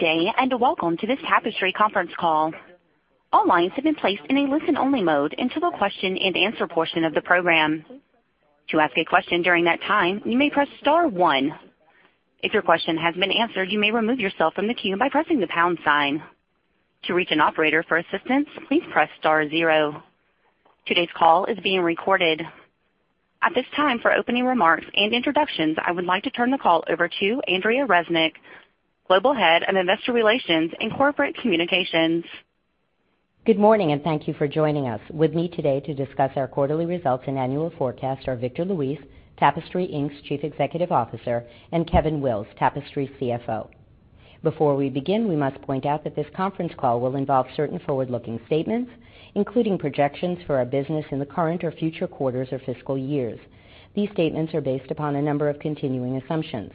Good day, and welcome to this Tapestry conference call. All lines have been placed in a listen-only mode until the question-and-answer portion of the program. To ask a question during that time, you may press star one. If your question has been answered, you may remove yourself from the queue by pressing the pound sign. To reach an operator for assistance, please press star zero. Today's call is being recorded. At this time, for opening remarks and introductions, I would like to turn the call over to Andrea Resnick, Global Head of Investor Relations and Corporate Communications. Good morning. Thank you for joining us. With me today to discuss our quarterly results and annual forecast are Victor Luis, Tapestry, Inc.'s Chief Executive Officer, and Kevin Wills, Tapestry CFO. Before we begin, we must point out that this conference call will involve certain forward-looking statements, including projections for our business in the current or future quarters or fiscal years. These statements are based upon a number of continuing assumptions.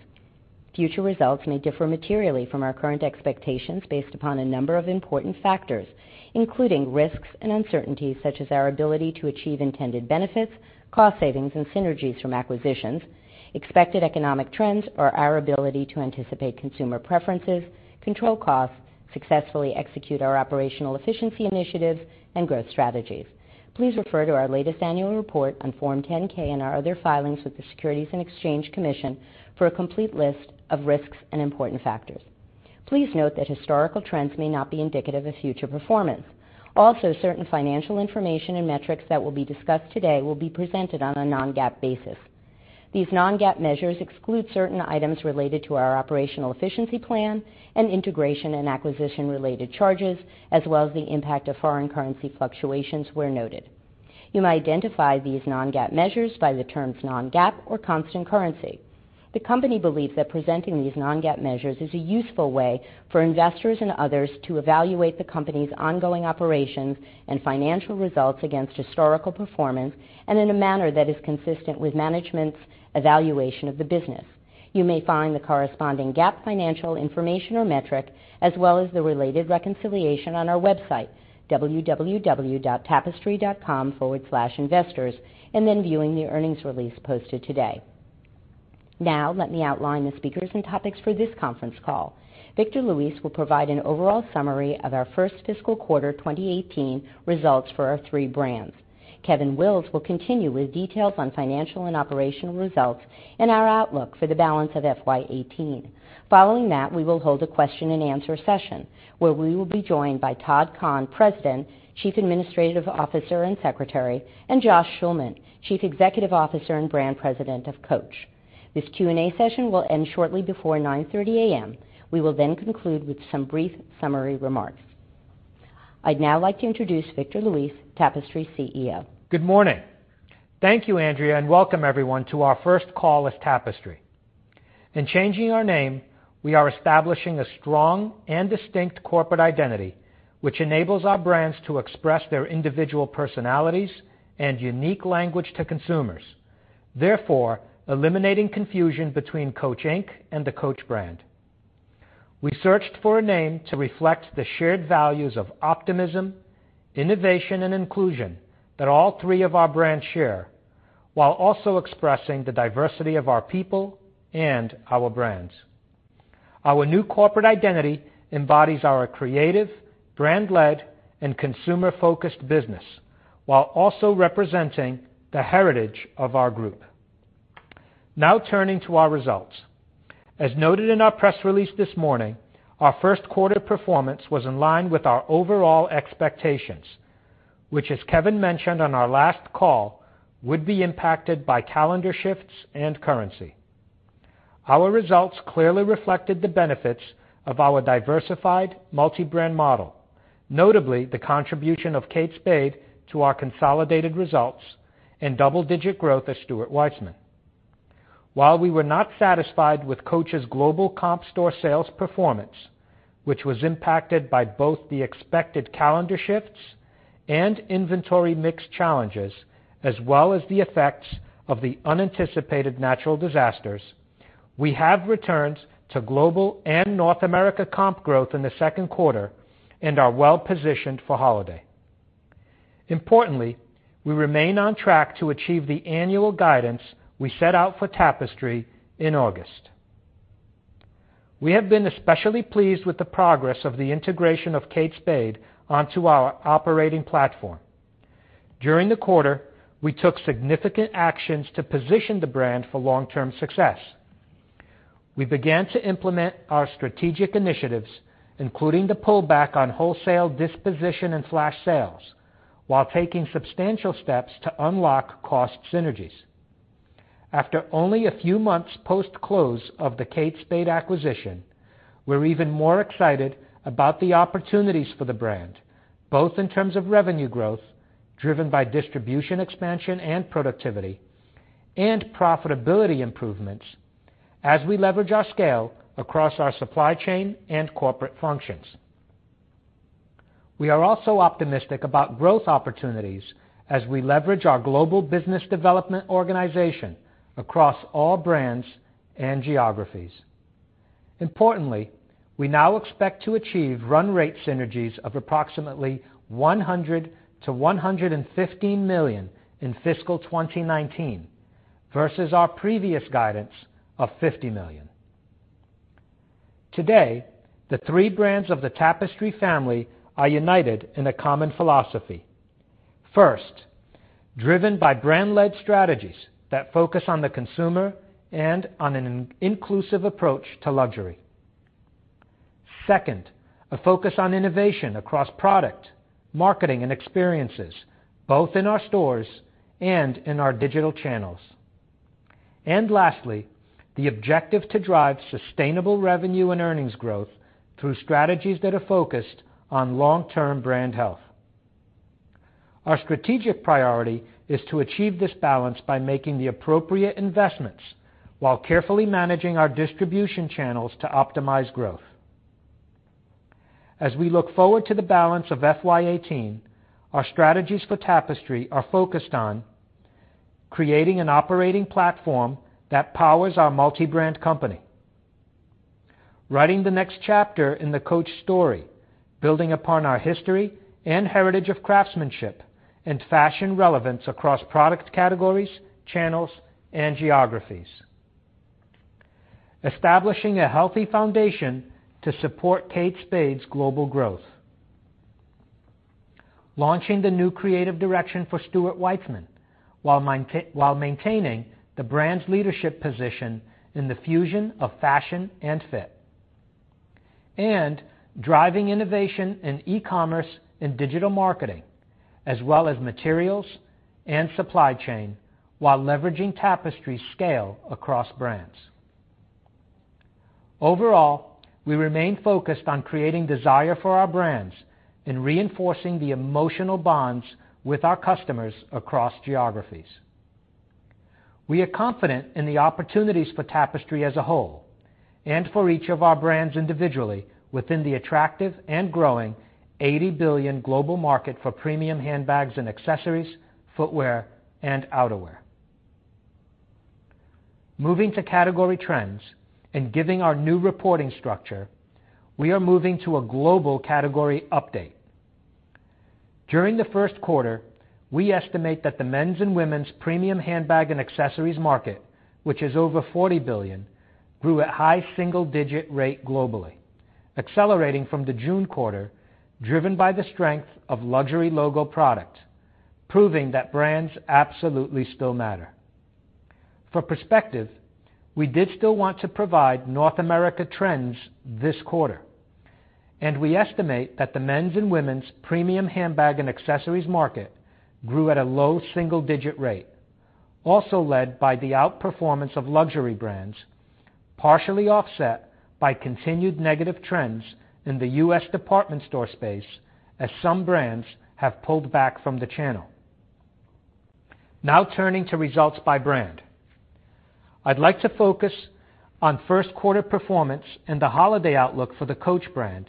Future results may differ materially from our current expectations based upon a number of important factors, including risks and uncertainties such as our ability to achieve intended benefits, cost savings and synergies from acquisitions, expected economic trends, or our ability to anticipate consumer preferences, control costs, successfully execute our operational efficiency initiatives and growth strategies. Please refer to our latest annual report on Form 10-K and our other filings with the Securities and Exchange Commission for a complete list of risks and important factors. Please note that historical trends may not be indicative of future performance. Certain financial information and metrics that will be discussed today will be presented on a non-GAAP basis. These non-GAAP measures exclude certain items related to our operational efficiency plan and integration and acquisition-related charges, as well as the impact of foreign currency fluctuations where noted. You may identify these non-GAAP measures by the terms "non-GAAP" or "constant currency." The company believes that presenting these non-GAAP measures is a useful way for investors and others to evaluate the company's ongoing operations and financial results against historical performance and in a manner that is consistent with management's evaluation of the business. You may find the corresponding GAAP financial information or metric as well as the related reconciliation on our website, www.tapestry.com/investors, and then viewing the earnings release posted today. Let me outline the speakers and topics for this conference call. Victor Luis will provide an overall summary of our first fiscal quarter 2018 results for our three brands. Kevin Wills will continue with details on financial and operational results and our outlook for the balance of FY18. Following that, we will hold a question-and-answer session where we will be joined by Todd Kahn, President, Chief Administrative Officer, and Secretary, and Josh Schulman, Chief Executive Officer and Brand President of Coach. This Q&A session will end shortly before 9:30 A.M. We will conclude with some brief summary remarks. I'd now like to introduce Victor Luis, Tapestry's CEO. Good morning. Thank you, Andrea, and welcome everyone to our first call as Tapestry. In changing our name, we are establishing a strong and distinct corporate identity, which enables our brands to express their individual personalities and unique language to consumers, therefore eliminating confusion between Coach, Inc. and the Coach brand. We searched for a name to reflect the shared values of optimism, innovation, and inclusion that all three of our brands share, while also expressing the diversity of our people and our brands. Our new corporate identity embodies our creative, brand-led, and consumer-focused business while also representing the heritage of our group. Turning to our results. As noted in our press release this morning, our first quarter performance was in line with our overall expectations, which, as Kevin mentioned on our last call, would be impacted by calendar shifts and currency. Our results clearly reflected the benefits of our diversified multi-brand model, notably the contribution of Kate Spade to our consolidated results and double-digit growth at Stuart Weitzman. While we were not satisfied with Coach's global comp store sales performance, which was impacted by both the expected calendar shifts and inventory mix challenges, as well as the effects of the unanticipated natural disasters, we have returned to global and North America comp growth in the second quarter and are well-positioned for holiday. Importantly, we remain on track to achieve the annual guidance we set out for Tapestry in August. We have been especially pleased with the progress of the integration of Kate Spade onto our operating platform. During the quarter, we took significant actions to position the brand for long-term success. We began to implement our strategic initiatives, including the pullback on wholesale disposition and flash sales, while taking substantial steps to unlock cost synergies. After only a few months post-close of the Kate Spade acquisition, we're even more excited about the opportunities for the brand, both in terms of revenue growth driven by distribution expansion and productivity, and profitability improvements as we leverage our scale across our supply chain and corporate functions. We are also optimistic about growth opportunities as we leverage our global business development organization across all brands and geographies. Importantly, we now expect to achieve run rate synergies of approximately $100 million-$115 million in FY 2019 versus our previous guidance of $50 million. Today, the three brands of the Tapestry family are united in a common philosophy. First, driven by brand-led strategies that focus on the consumer and on an inclusive approach to luxury. Second, a focus on innovation across product, marketing, and experiences, both in our stores and in our digital channels. Lastly, the objective to drive sustainable revenue and earnings growth through strategies that are focused on long-term brand health. Our strategic priority is to achieve this balance by making the appropriate investments while carefully managing our distribution channels to optimize growth. As we look forward to the balance of FY 2018, our strategies for Tapestry are focused on creating an operating platform that powers our multi-brand company. Writing the next chapter in the Coach story, building upon our history and heritage of craftsmanship and fashion relevance across product categories, channels, and geographies. Establishing a healthy foundation to support Kate Spade's global growth. Launching the new creative direction for Stuart Weitzman while maintaining the brand's leadership position in the fusion of fashion and fit. Driving innovation in e-commerce and digital marketing, as well as materials and supply chain, while leveraging Tapestry's scale across brands. Overall, we remain focused on creating desire for our brands and reinforcing the emotional bonds with our customers across geographies. We are confident in the opportunities for Tapestry as a whole and for each of our brands individually within the attractive and growing $80 billion global market for premium handbags and accessories, footwear and outerwear. Moving to category trends and giving our new reporting structure, we are moving to a global category update. During the first quarter, we estimate that the men's and women's premium handbag and accessories market, which is over $40 billion, grew at high single-digit rate globally, accelerating from the June quarter, driven by the strength of luxury logo product, proving that brands absolutely still matter. For perspective, we did still want to provide North America trends this quarter. We estimate that the men's and women's premium handbag and accessories market grew at a low single-digit rate, also led by the outperformance of luxury brands, partially offset by continued negative trends in the U.S. department store space as some brands have pulled back from the channel. Now turning to results by brand, I'd like to focus on first quarter performance and the holiday outlook for the Coach brand,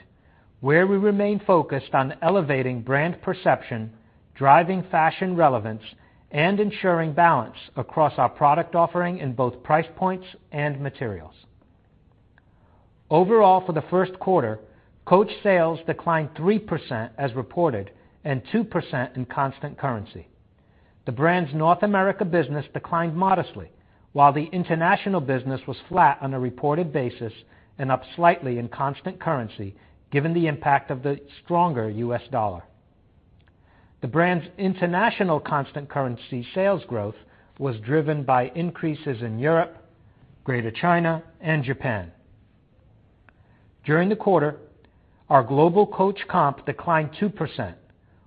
where we remain focused on elevating brand perception, driving fashion relevance, and ensuring balance across our product offering in both price points and materials. Overall, for the first quarter, Coach sales declined 3% as reported and 2% in constant currency. The brand's North America business declined modestly, while the international business was flat on a reported basis and up slightly in constant currency given the impact of the stronger U.S. dollar. The brand's international constant currency sales growth was driven by increases in Europe, Greater China, and Japan. During the quarter, our global Coach comp declined 2%,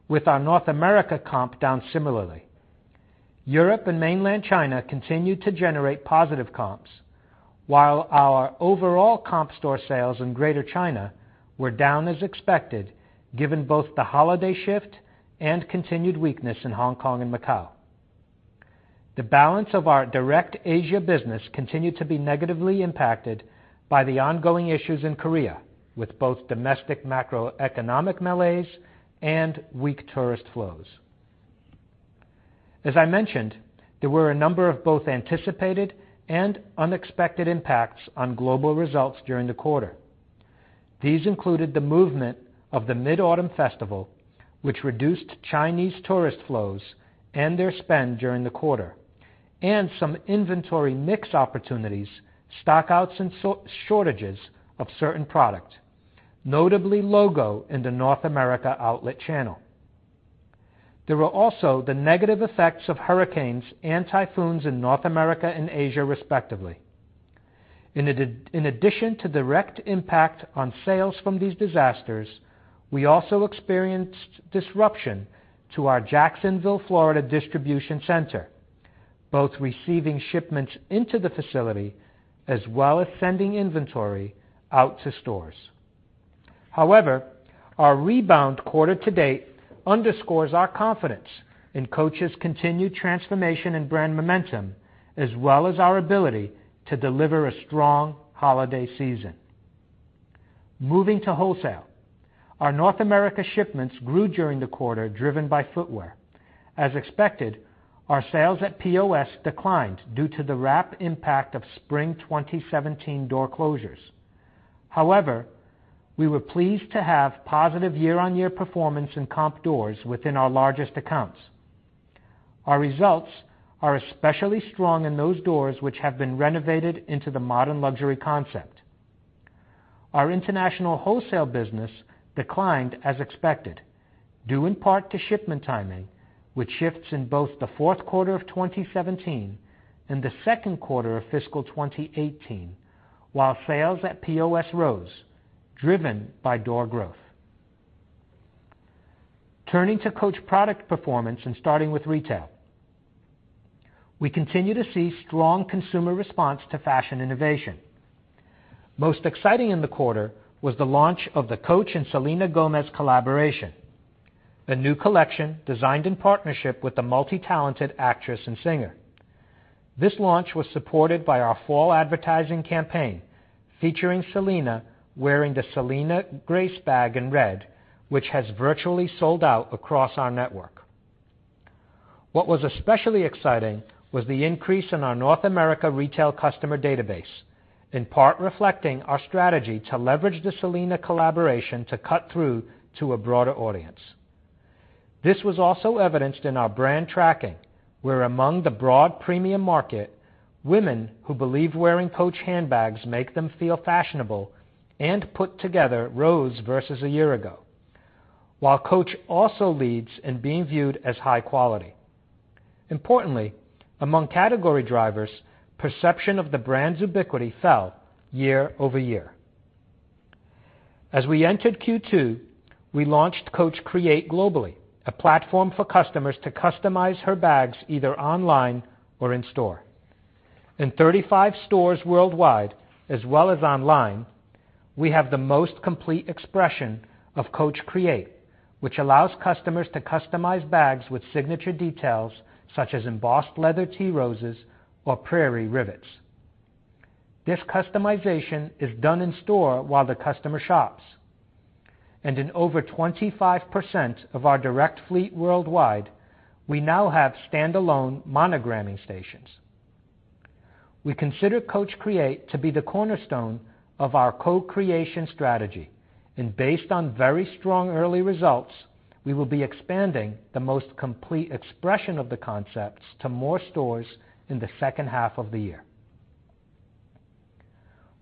with our North America comp down similarly. Europe and Mainland China continued to generate positive comps, while our overall comp store sales in Greater China were down as expected, given both the holiday shift and continued weakness in Hong Kong and Macau. The balance of our direct Asia business continued to be negatively impacted by the ongoing issues in Korea, with both domestic macroeconomic malaise and weak tourist flows. As I mentioned, there were a number of both anticipated and unexpected impacts on global results during the quarter. These included the movement of the Mid-Autumn Festival, which reduced Chinese tourist flows and their spend during the quarter, some inventory mix opportunities, stock-outs, and shortages of certain product, notably logo in the North America outlet channel. There were also the negative effects of hurricanes and typhoons in North America and Asia, respectively. In addition to direct impact on sales from these disasters, we also experienced disruption to our Jacksonville, Florida, distribution center, both receiving shipments into the facility as well as sending inventory out to stores. However, our rebound quarter to date underscores our confidence in Coach's continued transformation and brand momentum, as well as our ability to deliver a strong holiday season. Moving to wholesale, our North America shipments grew during the quarter, driven by footwear. As expected, our sales at POS declined due to the rapid impact of spring 2017 door closures. However, we were pleased to have positive year-on-year performance in comp doors within our largest accounts. Our results are especially strong in those doors, which have been renovated into the modern luxury concept. Our international wholesale business declined as expected, due in part to shipment timing, which shifts in both the fourth quarter of 2017 and the second quarter of fiscal 2018, while sales at POS rose, driven by door growth. Turning to Coach product performance and starting with retail. We continue to see strong consumer response to fashion innovation. Most exciting in the quarter was the launch of the Coach and Selena Gomez collaboration, a new collection designed in partnership with the multi-talented actress and singer. This launch was supported by our fall advertising campaign, featuring Selena wearing the Selena Grace bag in red, which has virtually sold out across our network. What was especially exciting was the increase in our North America retail customer database, in part reflecting our strategy to leverage the Selena collaboration to cut through to a broader audience. This was also evidenced in our brand tracking, where among the broad premium market, women who believe wearing Coach handbags make them feel fashionable and put together rose versus a year ago, while Coach also leads in being viewed as high quality. Importantly, among category drivers, perception of the brand's ubiquity fell year over year. We entered Q2, we launched Coach Create globally, a platform for customers to customize her bags either online or in store. In 35 stores worldwide, as well as online, we have the most complete expression of Coach Create, which allows customers to customize bags with signature details such as embossed leather tea roses or prairie rivets. This customization is done in store while the customer shops. In over 25% of our direct fleet worldwide, we now have standalone monogramming stations. We consider Coach Create to be the cornerstone of our co-creation strategy, based on very strong early results, we will be expanding the most complete expression of the concepts to more stores in the second half of the year.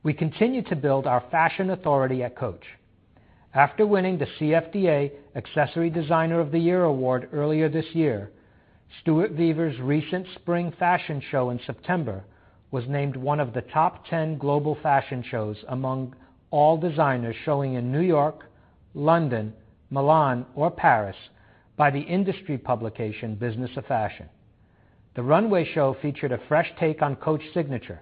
We continue to build our fashion authority at Coach. After winning the CFDA Accessory Designer of the Year award earlier this year, Stuart Vevers' recent spring fashion show in September was named one of the 10 global fashion shows among all designers showing in New York, London, Milan, or Paris by the industry publication, The Business of Fashion. The runway show featured a fresh take on Coach signature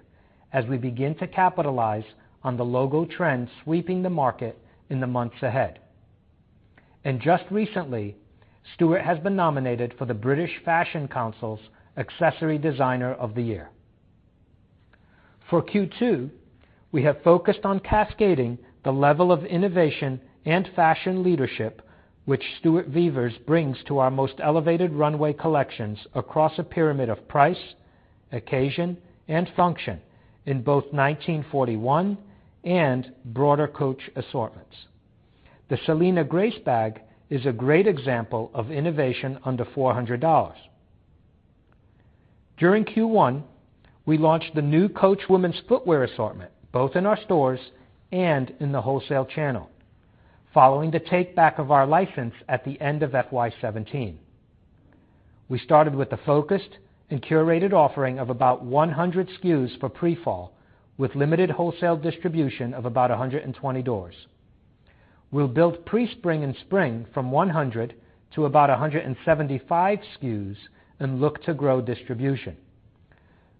as we begin to capitalize on the logo trend sweeping the market in the months ahead. Just recently, Stuart has been nominated for the British Fashion Council's Accessory Designer of the Year. For Q2, we have focused on cascading the level of innovation and fashion leadership, which Stuart Vevers brings to our most elevated runway collections across a pyramid of price, occasion, and function in both Coach 1941 and broader Coach assortments. The Selena Grace bag is a great example of innovation under $400. During Q1, we launched the new Coach women's footwear assortment, both in our stores and in the wholesale channel, following the take-back of our license at the end of FY 2017. We started with a focused and curated offering of about 100 SKUs for pre-fall, with limited wholesale distribution of about 120 doors. We'll build pre-spring and spring from 100 to about 175 SKUs and look to grow distribution.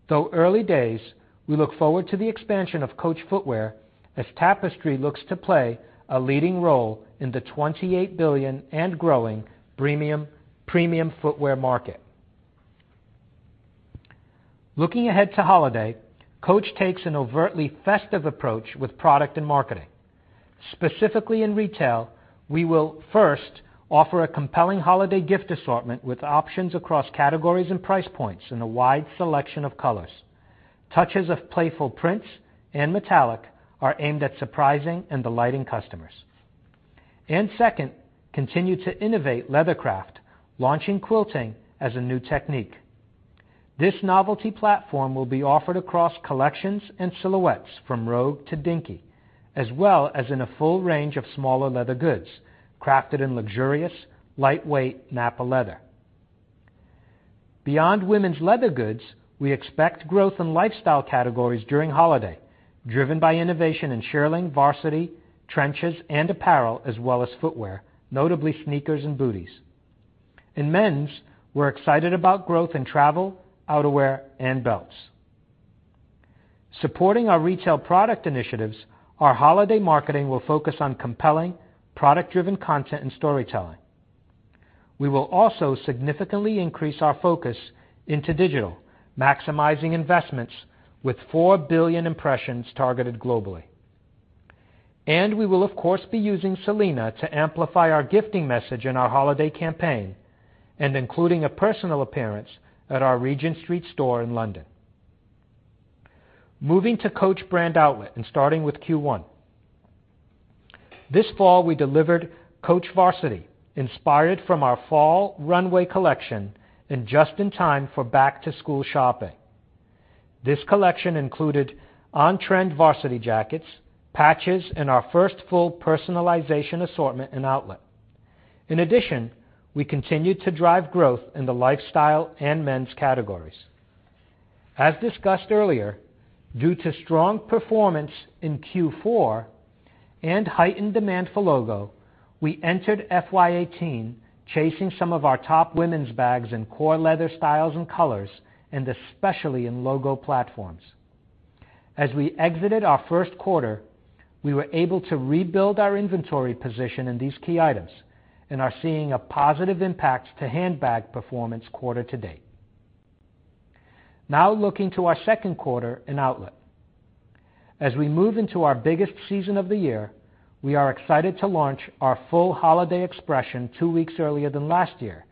Though early days, we look forward to the expansion of Coach footwear as Tapestry looks to play a leading role in the $28 billion and growing premium footwear market. Looking ahead to holiday, Coach takes an overtly festive approach with product and marketing. Specifically, in retail, we will first offer a compelling holiday gift assortment with options across categories and price points in a wide selection of colors. Touches of playful prints and metallic are aimed at surprising and delighting customers. Second, continue to innovate leathercraft, launching quilting as a new technique. This novelty platform will be offered across collections and silhouettes from Rogue to Dinky, as well as in a full range of smaller leather goods, crafted in luxurious, lightweight Napa leather. Beyond women's leather goods, we expect growth in lifestyle categories during holiday, driven by innovation in shearling, varsity, trenches, and apparel, as well as footwear, notably sneakers and booties. In men's, we're excited about growth in travel, outerwear, and belts. Supporting our retail product initiatives, our holiday marketing will focus on compelling product-driven content and storytelling. We will also significantly increase our focus into digital, maximizing investments with 4 billion impressions targeted globally. We will, of course, be using Selena to amplify our gifting message in our holiday campaign, and including a personal appearance at our Regent Street store in London. Moving to Coach brand outlet and starting with Q1. This fall, we delivered Coach Varsity, inspired from our fall runway collection and just in time for back-to-school shopping. This collection included on-trend varsity jackets, patches, and our first full personalization assortment and outlet. In addition, we continued to drive growth in the lifestyle and men's categories. As discussed earlier, due to strong performance in Q4 and heightened demand for logo, we entered FY 2018 chasing some of our top women's bags and core leather styles and colors, and especially in logo platforms. As we exited our first quarter, we were able to rebuild our inventory position in these key items and are seeing a positive impact to handbag performance quarter to date. Now, looking to our second quarter in outlet. As we move into our biggest season of the year, we are excited to launch our full holiday expression two weeks earlier than last year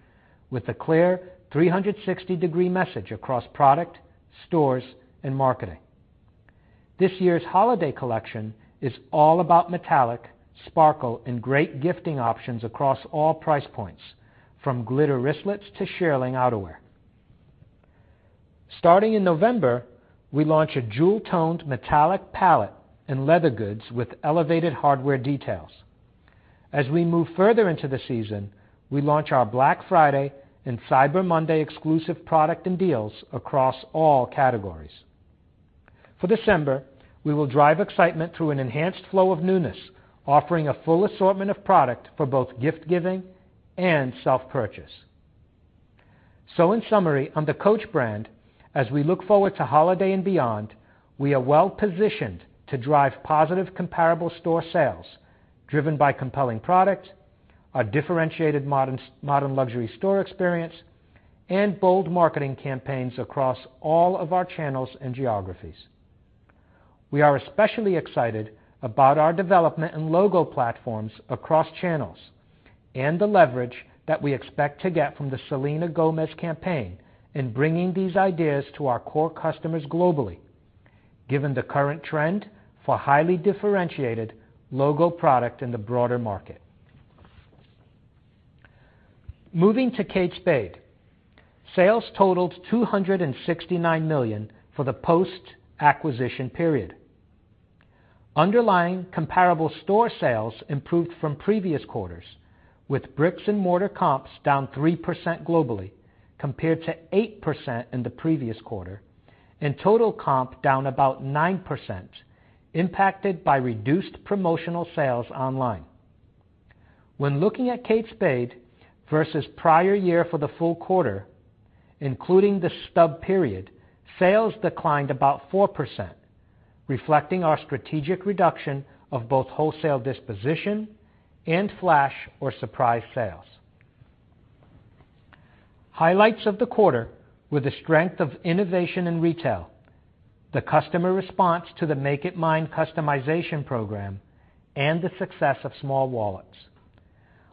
with a clear 360-degree message across product, stores, and marketing. This year's holiday collection is all about metallic, sparkle, and great gifting options across all price points, from glitter wristlets to shearling outerwear. Starting in November, we launch a jewel-toned metallic palette and leather goods with elevated hardware details. As we move further into the season, we launch our Black Friday and Cyber Monday exclusive product and deals across all categories. For December, we will drive excitement through an enhanced flow of newness, offering a full assortment of product for both gift-giving and self-purchase. In summary, on the Coach brand, as we look forward to holiday and beyond, we are well-positioned to drive positive comparable store sales driven by compelling product, a differentiated modern luxury store experience, and bold marketing campaigns across all of our channels and geographies. We are especially excited about our development and logo platforms across channels and the leverage that we expect to get from the Selena Gomez campaign in bringing these ideas to our core customers globally, given the current trend for highly differentiated logo product in the broader market. Moving to Kate Spade, sales totaled $269 million for the post-acquisition period. Underlying comparable store sales improved from previous quarters, with bricks and mortar comps down 3% globally compared to 8% in the previous quarter, and total comp down about 9%, impacted by reduced promotional sales online. When looking at Kate Spade versus prior year for the full quarter, including the stub period, sales declined about 4%, reflecting our strategic reduction of both wholesale disposition and flash or surprise sales. Highlights of the quarter were the strength of innovation in retail, the customer response to the Make It Mine customization program, and the success of small wallets.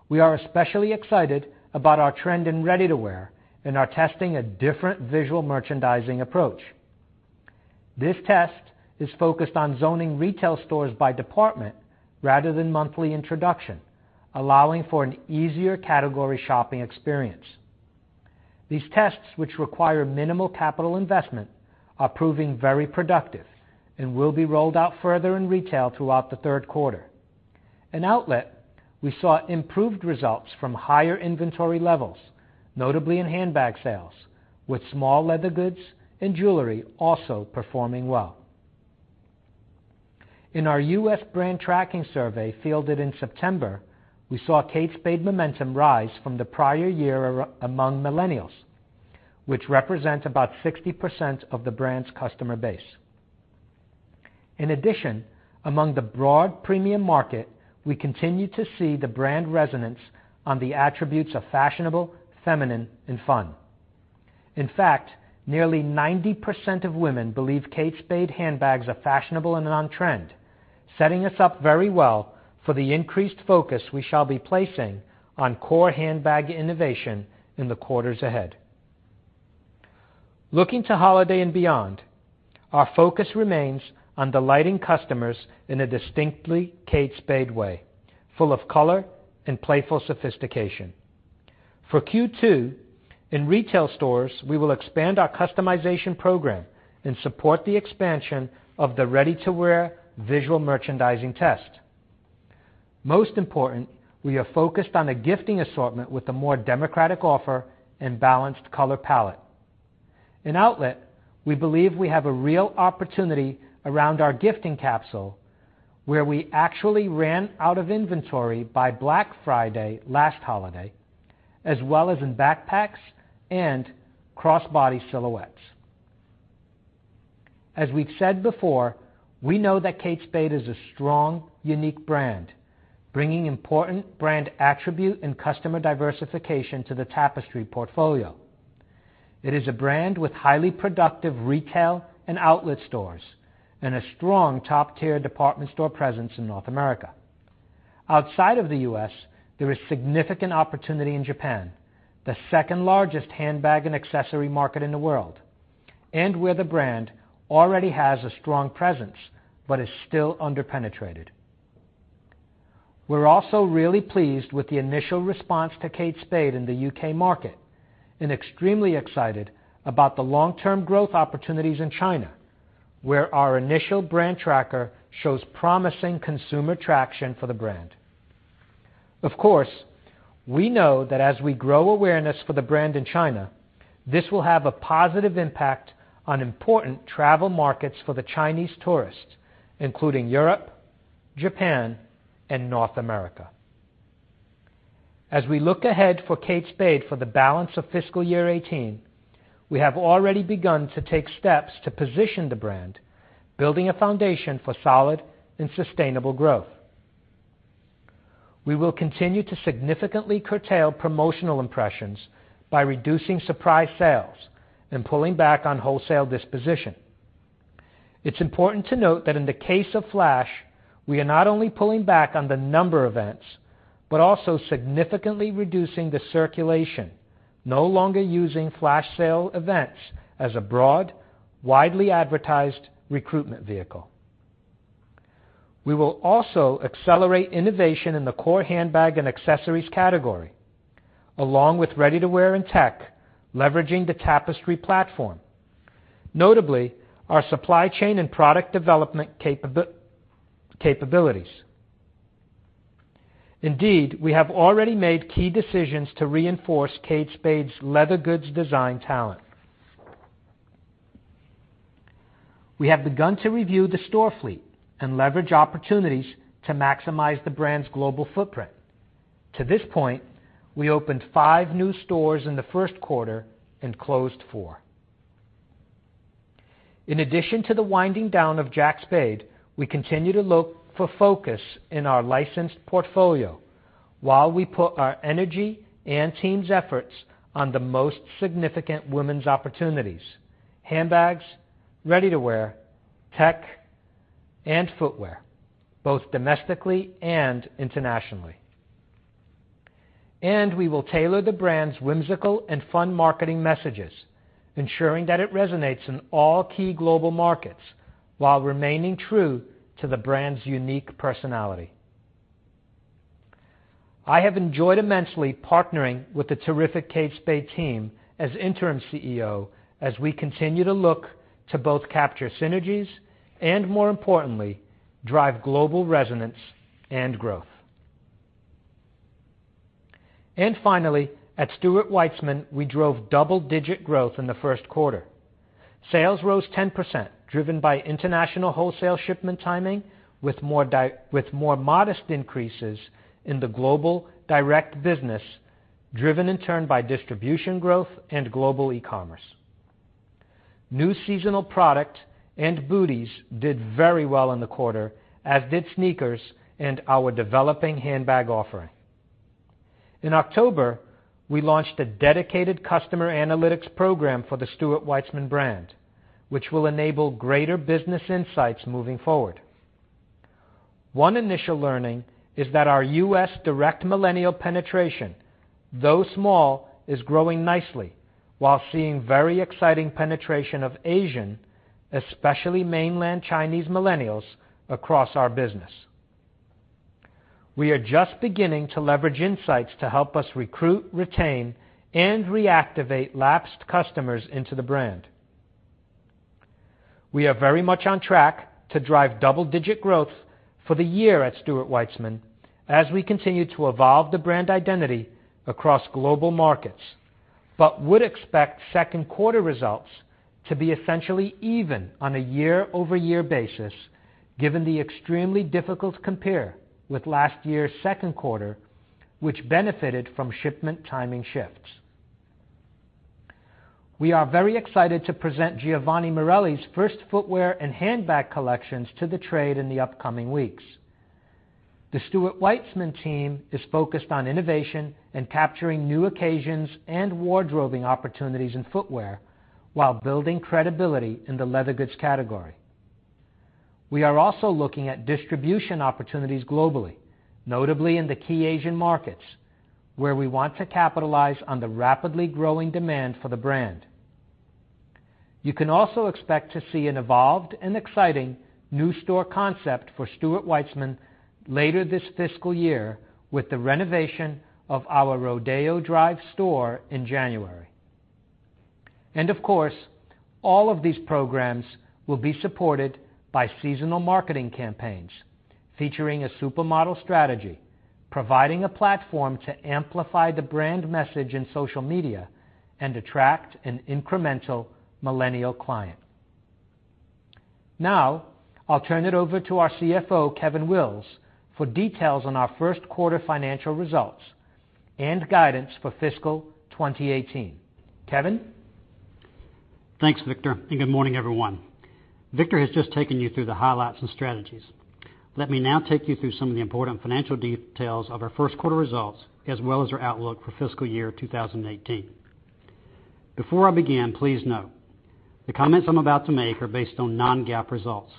We are especially excited about our trend in ready-to-wear and are testing a different visual merchandising approach. This test is focused on zoning retail stores by department rather than monthly introduction, allowing for an easier category shopping experience. These tests, which require minimal capital investment, are proving very productive and will be rolled out further in retail throughout the third quarter. In outlet, we saw improved results from higher inventory levels, notably in handbag sales, with small leather goods and jewelry also performing well. In our U.S. brand tracking survey fielded in September, we saw Kate Spade momentum rise from the prior year among millennials, which represents about 60% of the brand's customer base. In addition, among the broad premium market, we continue to see the brand resonance on the attributes of fashionable, feminine, and fun. In fact, nearly 90% of women believe Kate Spade handbags are fashionable and on-trend, setting us up very well for the increased focus we shall be placing on core handbag innovation in the quarters ahead. Looking to holiday and beyond, our focus remains on delighting customers in a distinctly Kate Spade way, full of color and playful sophistication. For Q2, in retail stores, we will expand our customization program and support the expansion of the ready-to-wear visual merchandising test. Most important, we are focused on a gifting assortment with a more democratic offer and balanced color palette. In outlet, we believe we have a real opportunity around our gifting capsule, where we actually ran out of inventory by Black Friday last holiday, as well as in backpacks and crossbody silhouettes. As we've said before, we know that Kate Spade is a strong, unique brand, bringing important brand attribute and customer diversification to the Tapestry portfolio. It is a brand with highly productive retail and outlet stores, and a strong top-tier department store presence in North America. Outside of the U.S., there is significant opportunity in Japan, the second-largest handbag and accessory market in the world, and where the brand already has a strong presence but is still under-penetrated. We're also really pleased with the initial response to Kate Spade in the U.K. market, and extremely excited about the long-term growth opportunities in China, where our initial brand tracker shows promising consumer traction for the brand. Of course, we know that as we grow awareness for the brand in China, this will have a positive impact on important travel markets for the Chinese tourists, including Europe, Japan, and North America. As we look ahead for Kate Spade for the balance of fiscal year 2018, we have already begun to take steps to position the brand, building a foundation for solid and sustainable growth. We will continue to significantly curtail promotional impressions by reducing surprise sales and pulling back on wholesale disposition. It's important to note that in the case of flash, we are not only pulling back on the number of events, but also significantly reducing the circulation, no longer using flash sale events as a broad, widely advertised recruitment vehicle. We will also accelerate innovation in the core handbag and accessories category, along with ready-to-wear and tech, leveraging the Tapestry platform, notably our supply chain and product development capabilities. Indeed, we have already made key decisions to reinforce Kate Spade's leather goods design talent. We have begun to review the store fleet and leverage opportunities to maximize the brand's global footprint. To this point, we opened five new stores in the first quarter and closed four. In addition to the winding down of Jack Spade, we continue to look for focus in our licensed portfolio while we put our energy and team's efforts on the most significant women's opportunities: handbags, ready-to-wear, tech, and footwear, both domestically and internationally. We will tailor the brand's whimsical and fun marketing messages, ensuring that it resonates in all key global markets while remaining true to the brand's unique personality. I have enjoyed immensely partnering with the terrific Kate Spade team as interim CEO as we continue to look to both capture synergies and, more importantly, drive global resonance and growth. Finally, at Stuart Weitzman, we drove double-digit growth in the first quarter. Sales rose 10%, driven by international wholesale shipment timing, with more modest increases in the global direct business, driven in turn by distribution growth and global e-commerce. New seasonal product and booties did very well in the quarter, as did sneakers and our developing handbag offering. In October, we launched a dedicated customer analytics program for the Stuart Weitzman brand, which will enable greater business insights moving forward. One initial learning is that our U.S. direct millennial penetration, though small, is growing nicely while seeing very exciting penetration of Asian, especially mainland Chinese millennials, across our business. We are just beginning to leverage insights to help us recruit, retain, and reactivate lapsed customers into the brand. We are very much on track to drive double-digit growth for the year at Stuart Weitzman as we continue to evolve the brand identity across global markets but would expect second quarter results to be essentially even on a year-over-year basis given the extremely difficult compare with last year's second quarter, which benefited from shipment timing shifts. We are very excited to present Giovanni Morelli's first footwear and handbag collections to the trade in the upcoming weeks. The Stuart Weitzman team is focused on innovation and capturing new occasions and wardrobing opportunities in footwear while building credibility in the leather goods category. We are also looking at distribution opportunities globally, notably in the key Asian markets, where we want to capitalize on the rapidly growing demand for the brand. You can also expect to see an evolved and exciting new store concept for Stuart Weitzman later this fiscal year with the renovation of our Rodeo Drive store in January. Of course, all of these programs will be supported by seasonal marketing campaigns featuring a supermodel strategy, providing a platform to amplify the brand message in social media and attract an incremental millennial client. Now, I'll turn it over to our CFO, Kevin Wills, for details on our first quarter financial results and guidance for fiscal 2018. Kevin? Thanks, Victor, and good morning, everyone. Victor has just taken you through the highlights and strategies. Let me now take you through some of the important financial details of our first quarter results, as well as our outlook for fiscal year 2018. Before I begin, please note, the comments I'm about to make are based on non-GAAP results.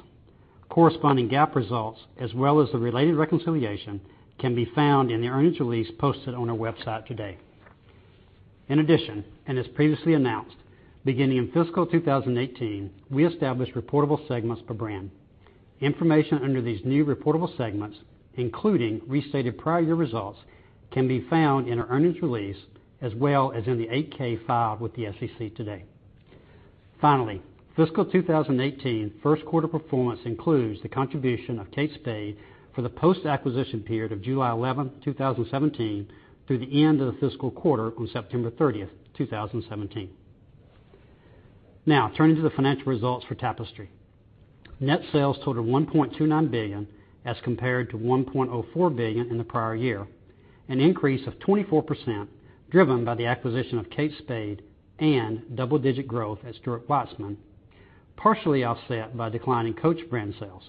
Corresponding GAAP results, as well as the related reconciliation, can be found in the earnings release posted on our website today. In addition, as previously announced, beginning in fiscal 2018, we established reportable segments per brand. Information under these new reportable segments, including restated prior year results, can be found in our earnings release, as well as in the 8-K filed with the SEC today. Finally, fiscal 2018 first quarter performance includes the contribution of Kate Spade for the post-acquisition period of July 11, 2017, through the end of the fiscal quarter on September 30, 2017. Now, turning to the financial results for Tapestry. Net sales totaled $1.29 billion as compared to $1.04 billion in the prior year, an increase of 24%, driven by the acquisition of Kate Spade and double-digit growth at Stuart Weitzman, partially offset by declining Coach brand sales.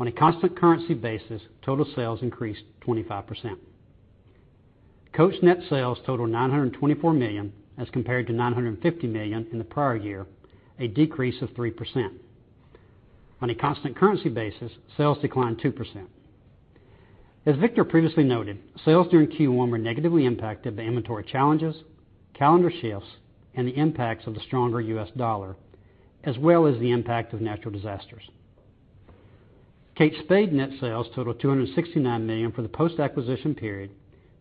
On a constant currency basis, total sales increased 25%. Coach net sales totaled $924 million as compared to $950 million in the prior year, a decrease of 3%. On a constant currency basis, sales declined 2%. As Victor previously noted, sales during Q1 were negatively impacted by inventory challenges, calendar shifts, and the impacts of the stronger U.S. dollar, as well as the impact of natural disasters. Kate Spade net sales totaled $269 million for the post-acquisition period,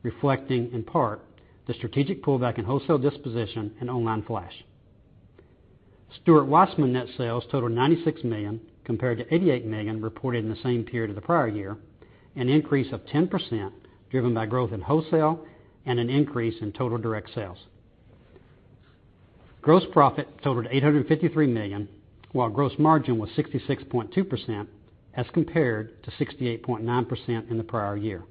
reflecting, in part, the strategic pullback in wholesale disposition and online flash. Stuart Weitzman net sales totaled $96 million, compared to $88 million reported in the same period of the prior year, an increase of 10% driven by growth in wholesale and an increase in total direct sales. Gross profit totaled $853 million, while gross margin was 66.2% as compared to 68.9% in the prior year.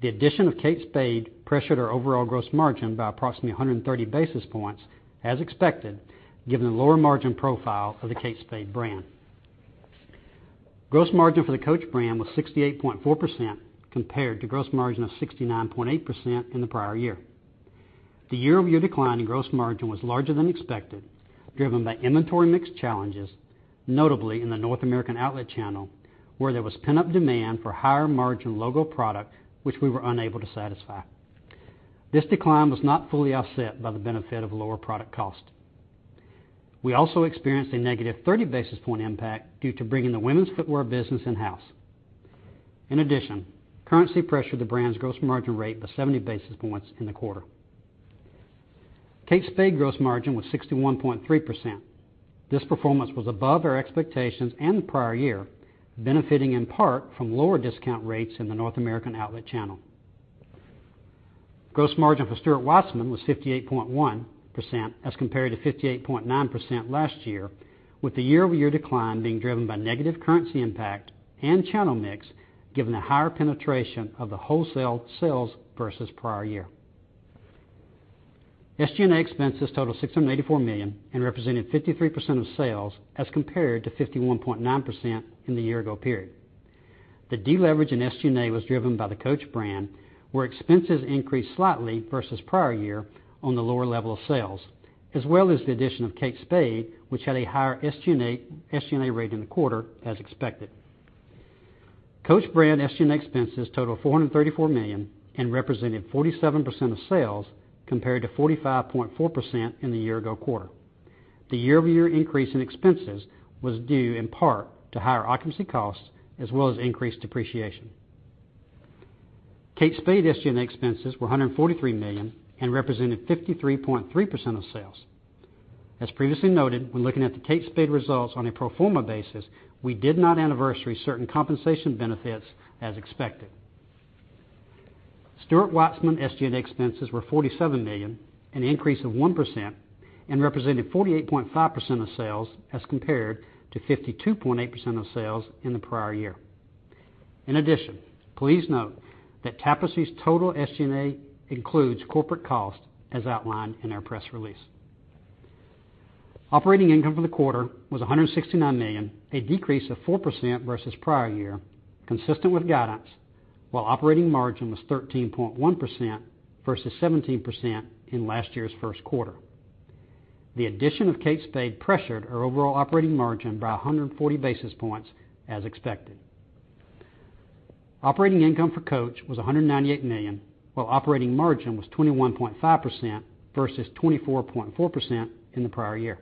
The addition of Kate Spade pressured our overall gross margin by approximately 130 basis points, as expected, given the lower margin profile of the Kate Spade brand. Gross margin for the Coach brand was 68.4% compared to gross margin of 69.8% in the prior year. The year-over-year decline in gross margin was larger than expected, driven by inventory mix challenges, notably in the North American outlet channel, where there was pent-up demand for higher-margin logo product, which we were unable to satisfy. This decline was not fully offset by the benefit of lower product cost. We also experienced a negative 30 basis points impact due to bringing the women's footwear business in-house. In addition, currency pressured the brand's gross margin rate by 70 basis points in the quarter. Kate Spade gross margin was 61.3%. This performance was above our expectations and the prior year, benefiting in part from lower discount rates in the North American outlet channel. Gross margin for Stuart Weitzman was 58.1% as compared to 58.9% last year, with the year-over-year decline being driven by negative currency impact and channel mix, given the higher penetration of the wholesale sales versus prior year. SG&A expenses totaled $684 million and represented 53% of sales as compared to 51.9% in the year-ago period. The deleverage in SG&A was driven by the Coach brand, where expenses increased slightly versus prior year on the lower level of sales, as well as the addition of Kate Spade, which had a higher SG&A rate in the quarter, as expected. Coach brand SG&A expenses totaled $434 million and represented 47% of sales, compared to 45.4% in the year-ago quarter. The year-over-year increase in expenses was due in part to higher occupancy costs as well as increased depreciation. Kate Spade SG&A expenses were $143 million and represented 53.3% of sales. As previously noted, when looking at the Kate Spade results on a pro forma basis, we did not anniversary certain compensation benefits as expected. Stuart Weitzman SG&A expenses were $47 million, an increase of 1%, and represented 48.5% of sales as compared to 52.8% of sales in the prior year. In addition, please note that Tapestry's total SG&A includes corporate costs as outlined in our press release. Operating income for the quarter was $169 million, a decrease of 4% versus prior year, consistent with guidance, while operating margin was 13.1% versus 17% in last year's first quarter. The addition of Kate Spade pressured our overall operating margin by 140 basis points, as expected. Operating income for Coach was $198 million, while operating margin was 21.5% versus 24.4% in the prior year.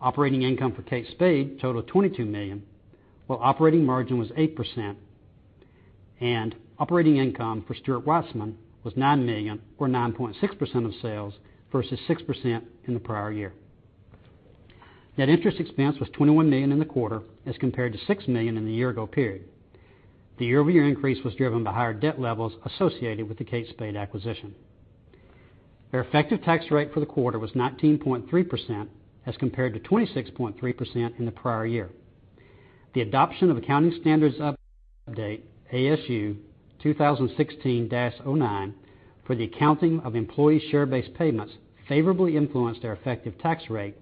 Operating income for Kate Spade totaled $22 million, while operating margin was 8%. Operating income for Stuart Weitzman was $9 million or 9.6% of sales versus 6% in the prior year. Net interest expense was $21 million in the quarter as compared to $6 million in the year-ago period. The year-over-year increase was driven by higher debt levels associated with the Kate Spade acquisition. Our effective tax rate for the quarter was 19.3% as compared to 26.3% in the prior year. The adoption of accounting standards update, ASU 2016-09, for the accounting of employee share-based payments favorably influenced our effective tax rate,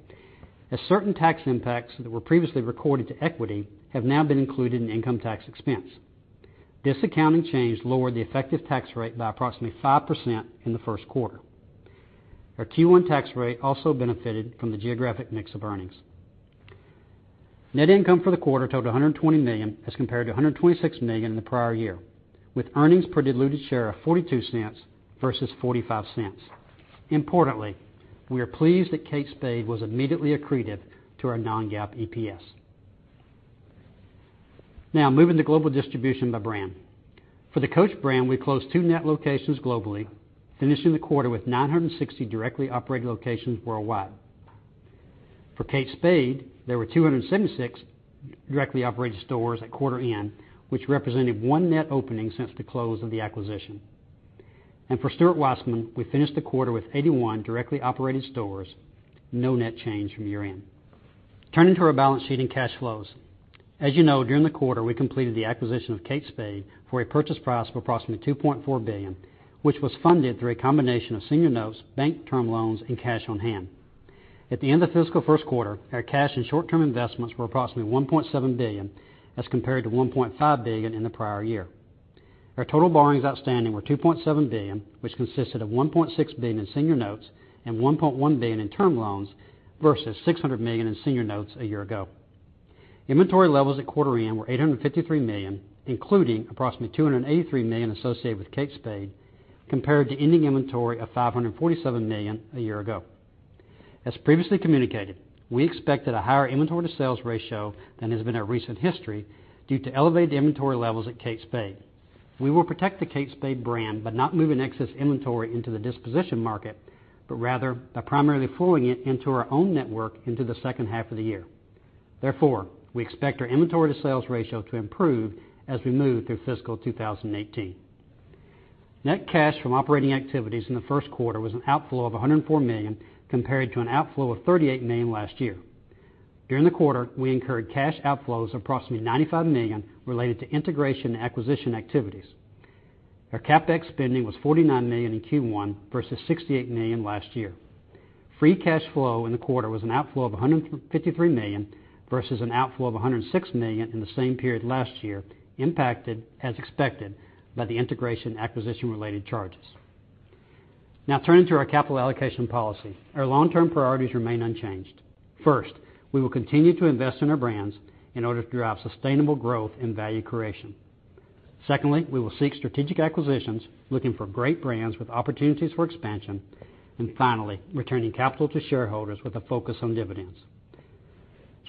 as certain tax impacts that were previously recorded to equity have now been included in income tax expense. This accounting change lowered the effective tax rate by approximately 5% in the first quarter. Our Q1 tax rate also benefited from the geographic mix of earnings. Net income for the quarter totaled $120 million as compared to $126 million in the prior year, with earnings per diluted share of $0.42 versus $0.45. Importantly, we are pleased that Kate Spade was immediately accretive to our non-GAAP EPS. Moving to global distribution by brand. For the Coach brand, we closed two net locations globally, finishing the quarter with 960 directly operated locations worldwide. For Kate Spade, there were 276 directly operated stores at quarter end, which represented one net opening since the close of the acquisition. For Stuart Weitzman, we finished the quarter with 81 directly operated stores, no net change from year-end. Turning to our balance sheet and cash flows. As you know, during the quarter, we completed the acquisition of Kate Spade for a purchase price of approximately $2.4 billion, which was funded through a combination of senior notes, bank term loans, and cash on-hand. At the end of fiscal first quarter, our cash and short-term investments were approximately $1.7 billion as compared to $1.5 billion in the prior year. Our total borrowings outstanding were $2.7 billion, which consisted of $1.6 billion in senior notes and $1.1 billion in term loans versus $600 million in senior notes a year ago. Inventory levels at quarter end were $853 million, including approximately $283 million associated with Kate Spade, compared to ending inventory of $547 million a year ago. As previously communicated, we expected a higher inventory to sales ratio than has been our recent history due to elevated inventory levels at Kate Spade. We will protect the Kate Spade brand by not moving excess inventory into the disposition market, but rather by primarily flowing it into our own network into the second half of the year. Therefore, we expect our inventory to sales ratio to improve as we move through fiscal 2018. Net cash from operating activities in the first quarter was an outflow of $104 million compared to an outflow of $38 million last year. During the quarter, we incurred cash outflows of approximately $95 million related to integration and acquisition activities. Our CapEx spending was $49 million in Q1 versus $68 million last year. Free cash flow in the quarter was an outflow of $153 million versus an outflow of $106 million in the same period last year, impacted, as expected, by the integration and acquisition-related charges. Turning to our capital allocation policy. Our long-term priorities remain unchanged. First, we will continue to invest in our brands in order to drive sustainable growth and value creation. Secondly, we will seek strategic acquisitions, looking for great brands with opportunities for expansion. Finally, returning capital to shareholders with a focus on dividends.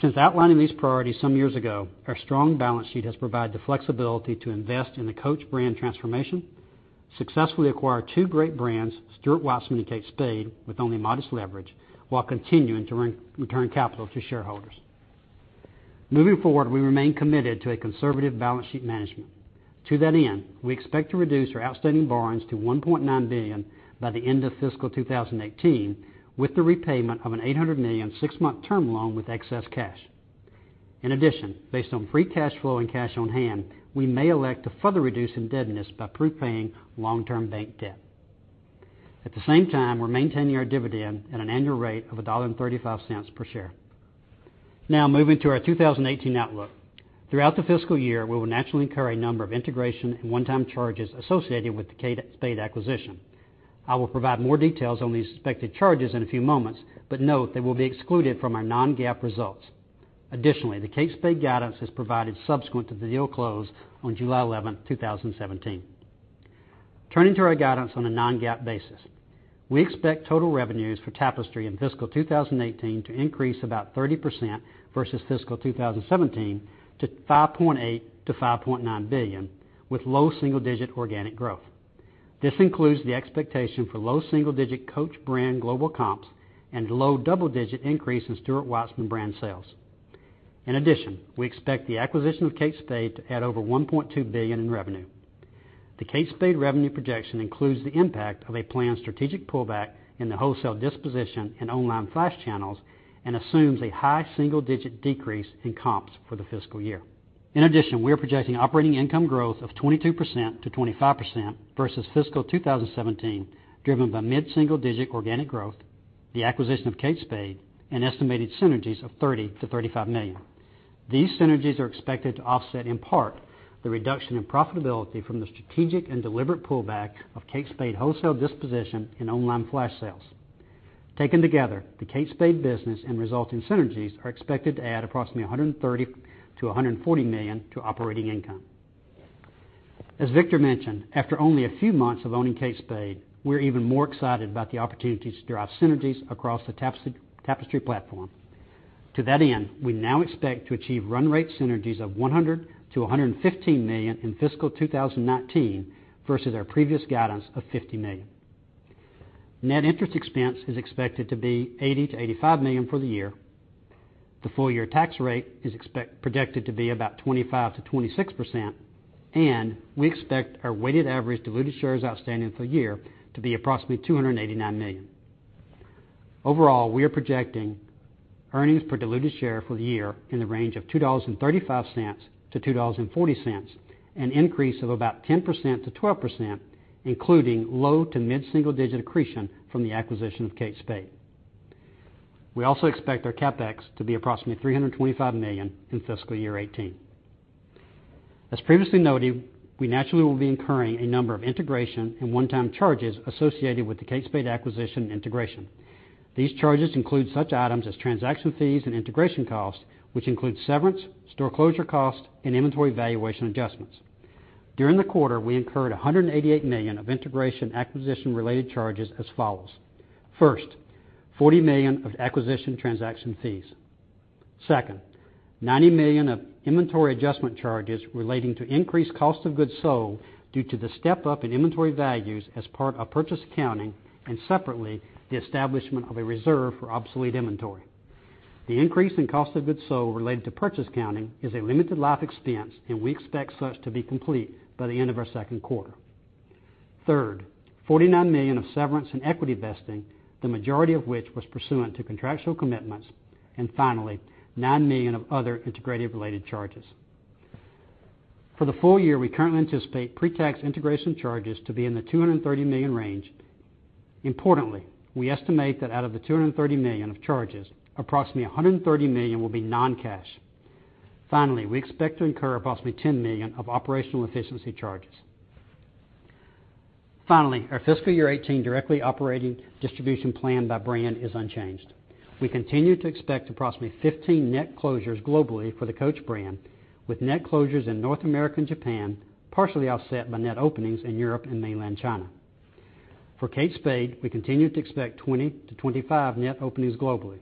Since outlining these priorities some years ago, our strong balance sheet has provided the flexibility to invest in the Coach brand transformation, successfully acquire two great brands, Stuart Weitzman and Kate Spade, with only modest leverage, while continuing to return capital to shareholders. Moving forward, we remain committed to a conservative balance sheet management. To that end, we expect to reduce our outstanding borrowings to $1.9 billion by the end of fiscal 2018 with the repayment of an $800 million six-month term loan with excess cash. In addition, based on free cash flow and cash on hand, we may elect to further reduce indebtedness by prepaying long-term bank debt. At the same time, we're maintaining our dividend at an annual rate of $1.35 per share. Moving to our 2018 outlook. Throughout the fiscal year, we will naturally incur a number of integration and one-time charges associated with the Kate Spade acquisition. I will provide more details on these expected charges in a few moments, but note they will be excluded from our non-GAAP results. Additionally, the Kate Spade guidance is provided subsequent to the deal close on July 11, 2017. Turning to our guidance on a non-GAAP basis. We expect total revenues for Tapestry in fiscal 2018 to increase about 30% versus fiscal 2017 to $5.8 billion-$5.9 billion, with low single-digit organic growth. This includes the expectation for low double-digit Coach brand global comps and low double-digit increase in Stuart Weitzman brand sales. In addition, we expect the acquisition of Kate Spade to add over $1.2 billion in revenue. The Kate Spade revenue projection includes the impact of a planned strategic pullback in the wholesale disposition and online flash channels and assumes a high single-digit decrease in comps for the fiscal year. In addition, we are projecting operating income growth of 22%-25% versus fiscal 2017, driven by mid-single-digit organic growth, the acquisition of Kate Spade, and estimated synergies of $30 million-$35 million. These synergies are expected to offset, in part, the reduction in profitability from the strategic and deliberate pullback of Kate Spade wholesale disposition and online flash sales. Taken together, the Kate Spade business and resulting synergies are expected to add approximately $130 million-$140 million to operating income. As Victor mentioned, after only a few months of owning Kate Spade, we're even more excited about the opportunities to drive synergies across the Tapestry platform. To that end, we now expect to achieve run rate synergies of $100 million-$115 million in fiscal 2019 versus our previous guidance of $50 million. Net interest expense is expected to be $80 million-$85 million for the year. The full-year tax rate is projected to be about 25%-26%, and we expect our weighted average diluted shares outstanding for the year to be approximately 289 million. Overall, we are projecting earnings per diluted share for the year in the range of $2.35-$2.40, an increase of about 10%-12%, including low to mid-single digit accretion from the acquisition of Kate Spade. We also expect our CapEx to be approximately $325 million in fiscal year 2018. As previously noted, we naturally will be incurring a number of integration and one-time charges associated with the Kate Spade acquisition integration. These charges include such items as transaction fees and integration costs, which include severance, store closure costs, and inventory valuation adjustments. During the quarter, we incurred $188 million of integration acquisition-related charges as follows. First, $40 million of acquisition transaction fees. Second, $90 million of inventory adjustment charges relating to increased cost of goods sold due to the step-up in inventory values as part of purchase accounting, and separately, the establishment of a reserve for obsolete inventory. The increase in cost of goods sold related to purchase accounting is a limited life expense, and we expect such to be complete by the end of our second quarter. Third, $49 million of severance and equity vesting, the majority of which was pursuant to contractual commitments. Finally, $9 million of other integration related charges. For the full year, we currently anticipate pre-tax integration charges to be in the $230 million range. Importantly, we estimate that out of the $230 million of charges, approximately $130 million will be non-cash. Finally, we expect to incur approximately $10 million of operational efficiency charges. Finally, our fiscal year 2018 directly operating distribution plan by brand is unchanged. We continue to expect approximately 15 net closures globally for the Coach brand, with net closures in North America and Japan, partially offset by net openings in Europe and Mainland China. For Kate Spade, we continue to expect 20-25 net openings globally.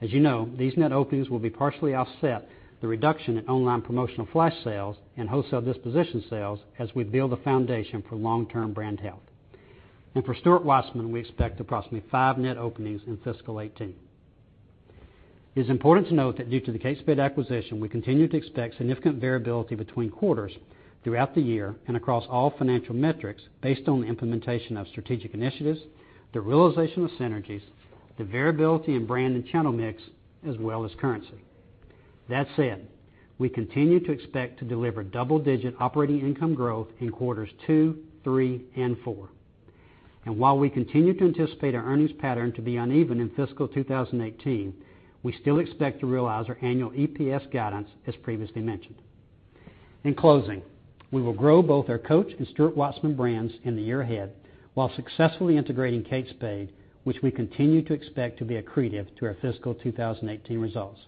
As you know, these net openings will be partially offset the reduction in online promotional flash sales and wholesale disposition sales as we build a foundation for long-term brand health. For Stuart Weitzman, we expect approximately five net openings in fiscal 2018. It is important to note that due to the Kate Spade acquisition, we continue to expect significant variability between quarters throughout the year and across all financial metrics based on the implementation of strategic initiatives, the realization of synergies, the variability in brand and channel mix, as well as currency. That said, we continue to expect to deliver double-digit operating income growth in quarters two, three, and four. While we continue to anticipate our earnings pattern to be uneven in fiscal 2018, we still expect to realize our annual EPS guidance as previously mentioned. In closing, we will grow both our Coach and Stuart Weitzman brands in the year ahead while successfully integrating Kate Spade, which we continue to expect to be accretive to our fiscal 2018 results.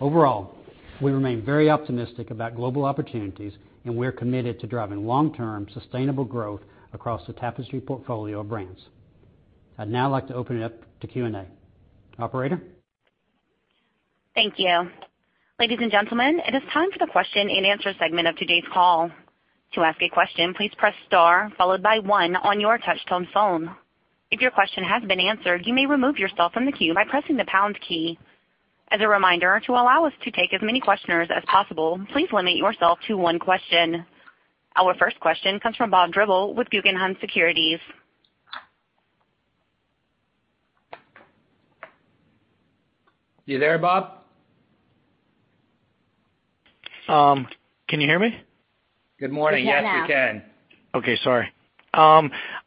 Overall, we remain very optimistic about global opportunities. We're committed to driving long-term sustainable growth across the Tapestry portfolio of brands. I'd now like to open it up to Q&A. Operator? Thank you. Ladies and gentlemen, it is time for the question-and-answer segment of today's call. To ask a question, please press star followed by one on your touch-tone phone. If your question has been answered, you may remove yourself from the queue by pressing the pound key. As a reminder, to allow us to take as many questioners as possible, please limit yourself to one question. Our first question comes from Bob Drbul with Guggenheim Securities. You there, Bob? Can you hear me? Good morning. Yes, we can. We can now. Okay. Sorry. I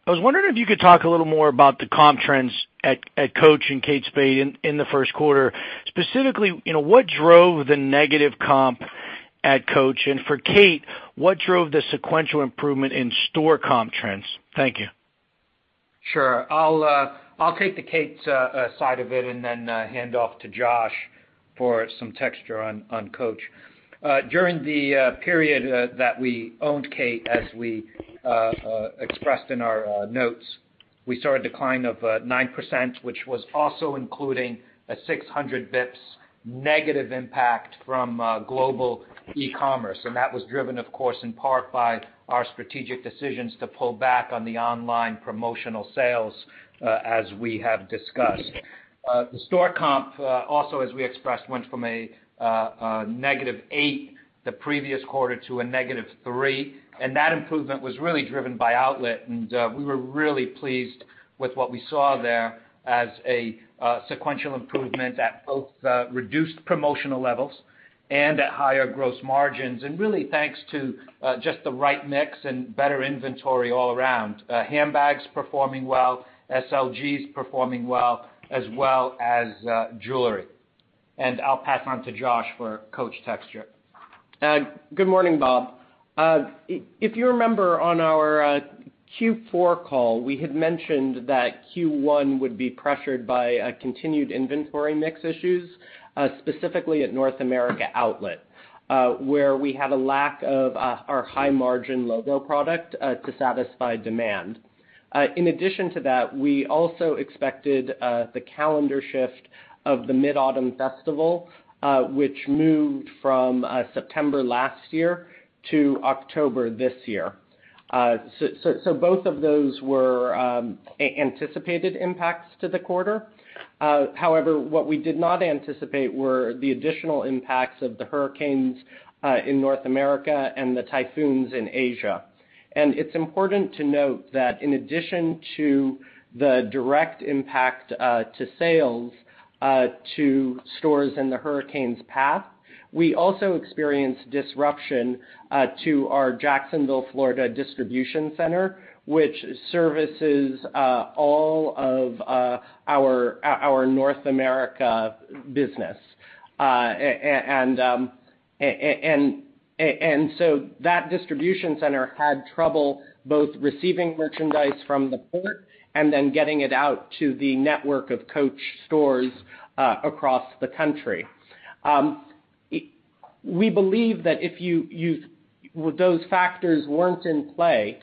was wondering if you could talk a little more about the comp trends at Coach and Kate Spade in the first quarter. Specifically, what drove the negative comp at Coach? For Kate, what drove the sequential improvement in store comp trends? Thank you. Sure. I'll take the Kate side of it and then hand off to Josh for some texture on Coach. During the period that we owned Kate, as we expressed in our notes, we saw a decline of 9%, which was also including a 600 basis points negative impact from global e-commerce. That was driven, of course, in part by our strategic decisions to pull back on the online promotional sales as we have discussed. The store comp also, as we expressed, went from a negative eight the previous quarter to a negative three, and that improvement was really driven by outlet, and we were really pleased with what we saw there as a sequential improvement at both reduced promotional levels and at higher gross margins, and really, thanks to just the right mix and better inventory all around. Handbags performing well, SLGs performing well, as well as jewelry. I'll pass on to Josh for Coach texture. Good morning, Bob. If you remember on our Q4 call, we had mentioned that Q1 would be pressured by continued inventory mix issues, specifically at North America outlet, where we had a lack of our high-margin logo product to satisfy demand. In addition to that, we also expected the calendar shift of the Mid-Autumn Festival, which moved from September last year to October this year. Both of those were anticipated impacts to the quarter. However, what we did not anticipate were the additional impacts of the hurricanes in North America and the typhoons in Asia. It's important to note that in addition to the direct impact to sales to stores in the hurricane's path, we also experienced disruption to our Jacksonville, Florida, distribution center, which services all of our North America business. That distribution center had trouble both receiving merchandise from the port and then getting it out to the network of Coach stores across the country. We believe that if those factors weren't in play,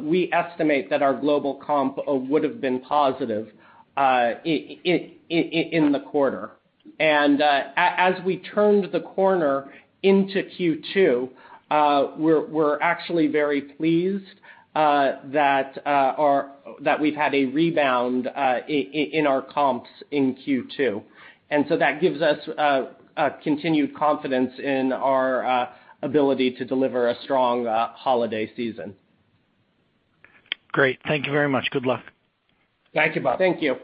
we estimate that our global comp would've been positive in the quarter. As we turned the corner into Q2, we're actually very pleased that we've had a rebound in our comps in Q2. That gives us continued confidence in our ability to deliver a strong holiday season. Great. Thank you very much. Good luck. Thank you, Bob. Thank you.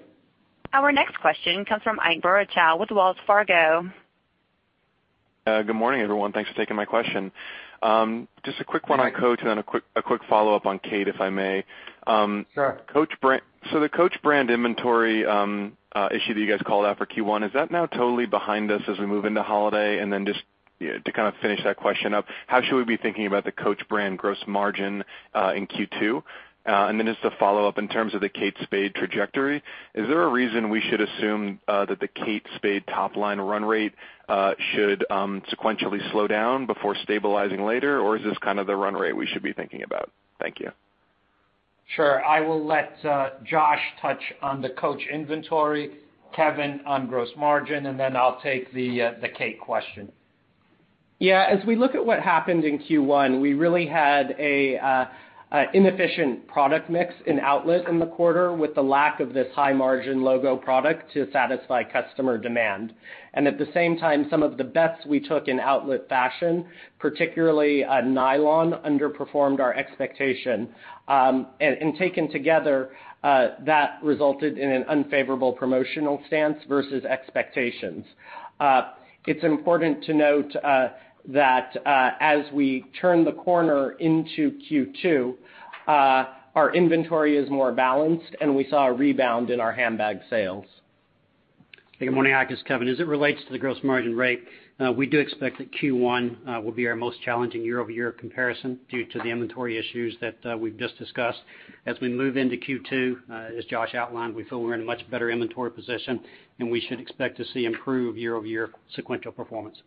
Our next question comes from Ike Boruchow with Wells Fargo. Good morning, everyone. Thanks for taking my question. Just a quick one on Coach and then a quick follow-up on Kate, if I may. Sure. The Coach brand inventory issue that you guys called out for Q1, is that now totally behind us as we move into holiday? Just to kind of finish that question up, how should we be thinking about the Coach brand gross margin in Q2? Just a follow-up in terms of the Kate Spade trajectory, is there a reason we should assume that the Kate Spade top-line run rate should sequentially slow down before stabilizing later, or is this kind of the run rate we should be thinking about? Thank you. Sure. I will let Josh touch on the Coach inventory, Kevin on gross margin, and then I'll take the Kate question. Yeah. As we look at what happened in Q1, we really had an inefficient product mix in outlet in the quarter with the lack of this high-margin logo product to satisfy customer demand. At the same time, some of the bets we took in outlet fashion, particularly on nylon, underperformed our expectation. Taken together, that resulted in an unfavorable promotional stance versus expectations. It's important to note that as we turn the corner into Q2, our inventory is more balanced, and we saw a rebound in our handbag sales. Good morning, Ike. It's Kevin. As it relates to the gross margin rate, we do expect that Q1 will be our most challenging year-over-year comparison due to the inventory issues that we've just discussed. As we move into Q2, as Josh outlined, we feel we're in a much better inventory position, and we should expect to see improved year-over-year sequential performance.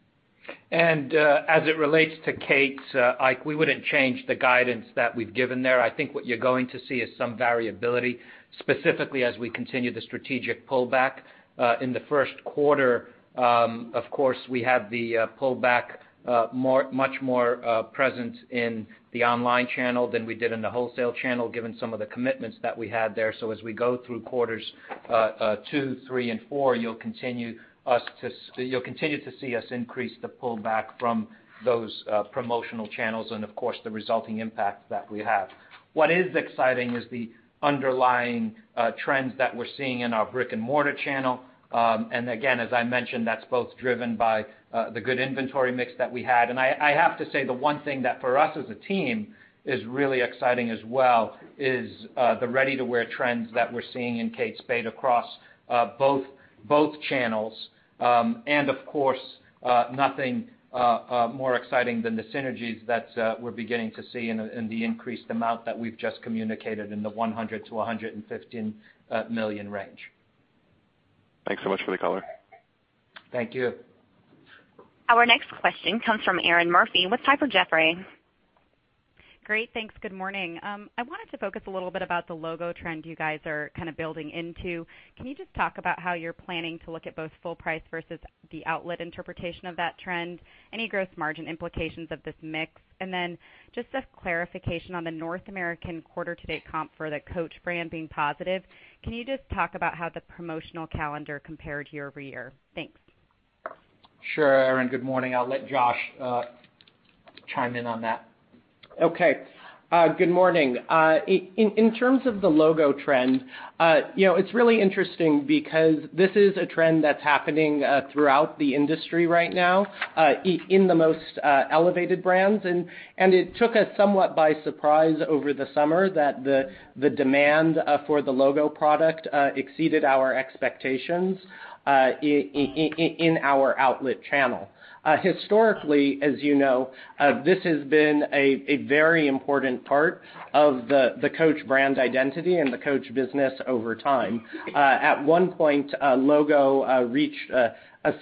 As it relates to Kate, Ike, we wouldn't change the guidance that we've given there. I think what you're going to see is some variability, specifically as we continue the strategic pullback. In the first quarter, of course, we have the pullback much more present in the online channel than we did in the wholesale channel, given some of the commitments that we had there. As we go through quarters two, three, and four, you'll continue to see us increase the pullback from those promotional channels and, of course, the resulting impact that we have. What is exciting is the underlying trends that we're seeing in our brick-and-mortar channel. Again, as I mentioned, that's both driven by the good inventory mix that we had. I have to say, the one thing that for us as a team is really exciting as well is the ready-to-wear trends that we're seeing in Kate Spade across both channels. Of course, nothing more exciting than the synergies that we're beginning to see in the increased amount that we've just communicated in the $100 million-$115 million range. Thanks so much for the color. Thank you. Our next question comes from Erinn Murphy with Piper Jaffray. Great. Thanks. Good morning. I wanted to focus a little bit about the logo trend you guys are kind of building into. Can you just talk about how you're planning to look at both full price versus the outlet interpretation of that trend? Any gross margin implications of this mix? Just a clarification on the North American quarter-to-date comp for the Coach brand being positive. Can you just talk about how the promotional calendar compared year-over-year? Thanks. Sure, Erinn. Good morning. I'll let Josh chime in on that. Okay. Good morning. In terms of the logo trend, it's really interesting because this is a trend that's happening throughout the industry right now in the most elevated brands, it took us somewhat by surprise over the summer that the demand for the logo product exceeded our expectations in our outlet channel. Historically, as you know, this has been a very important part of the Coach brand identity and the Coach business over time. At one point, logo reached a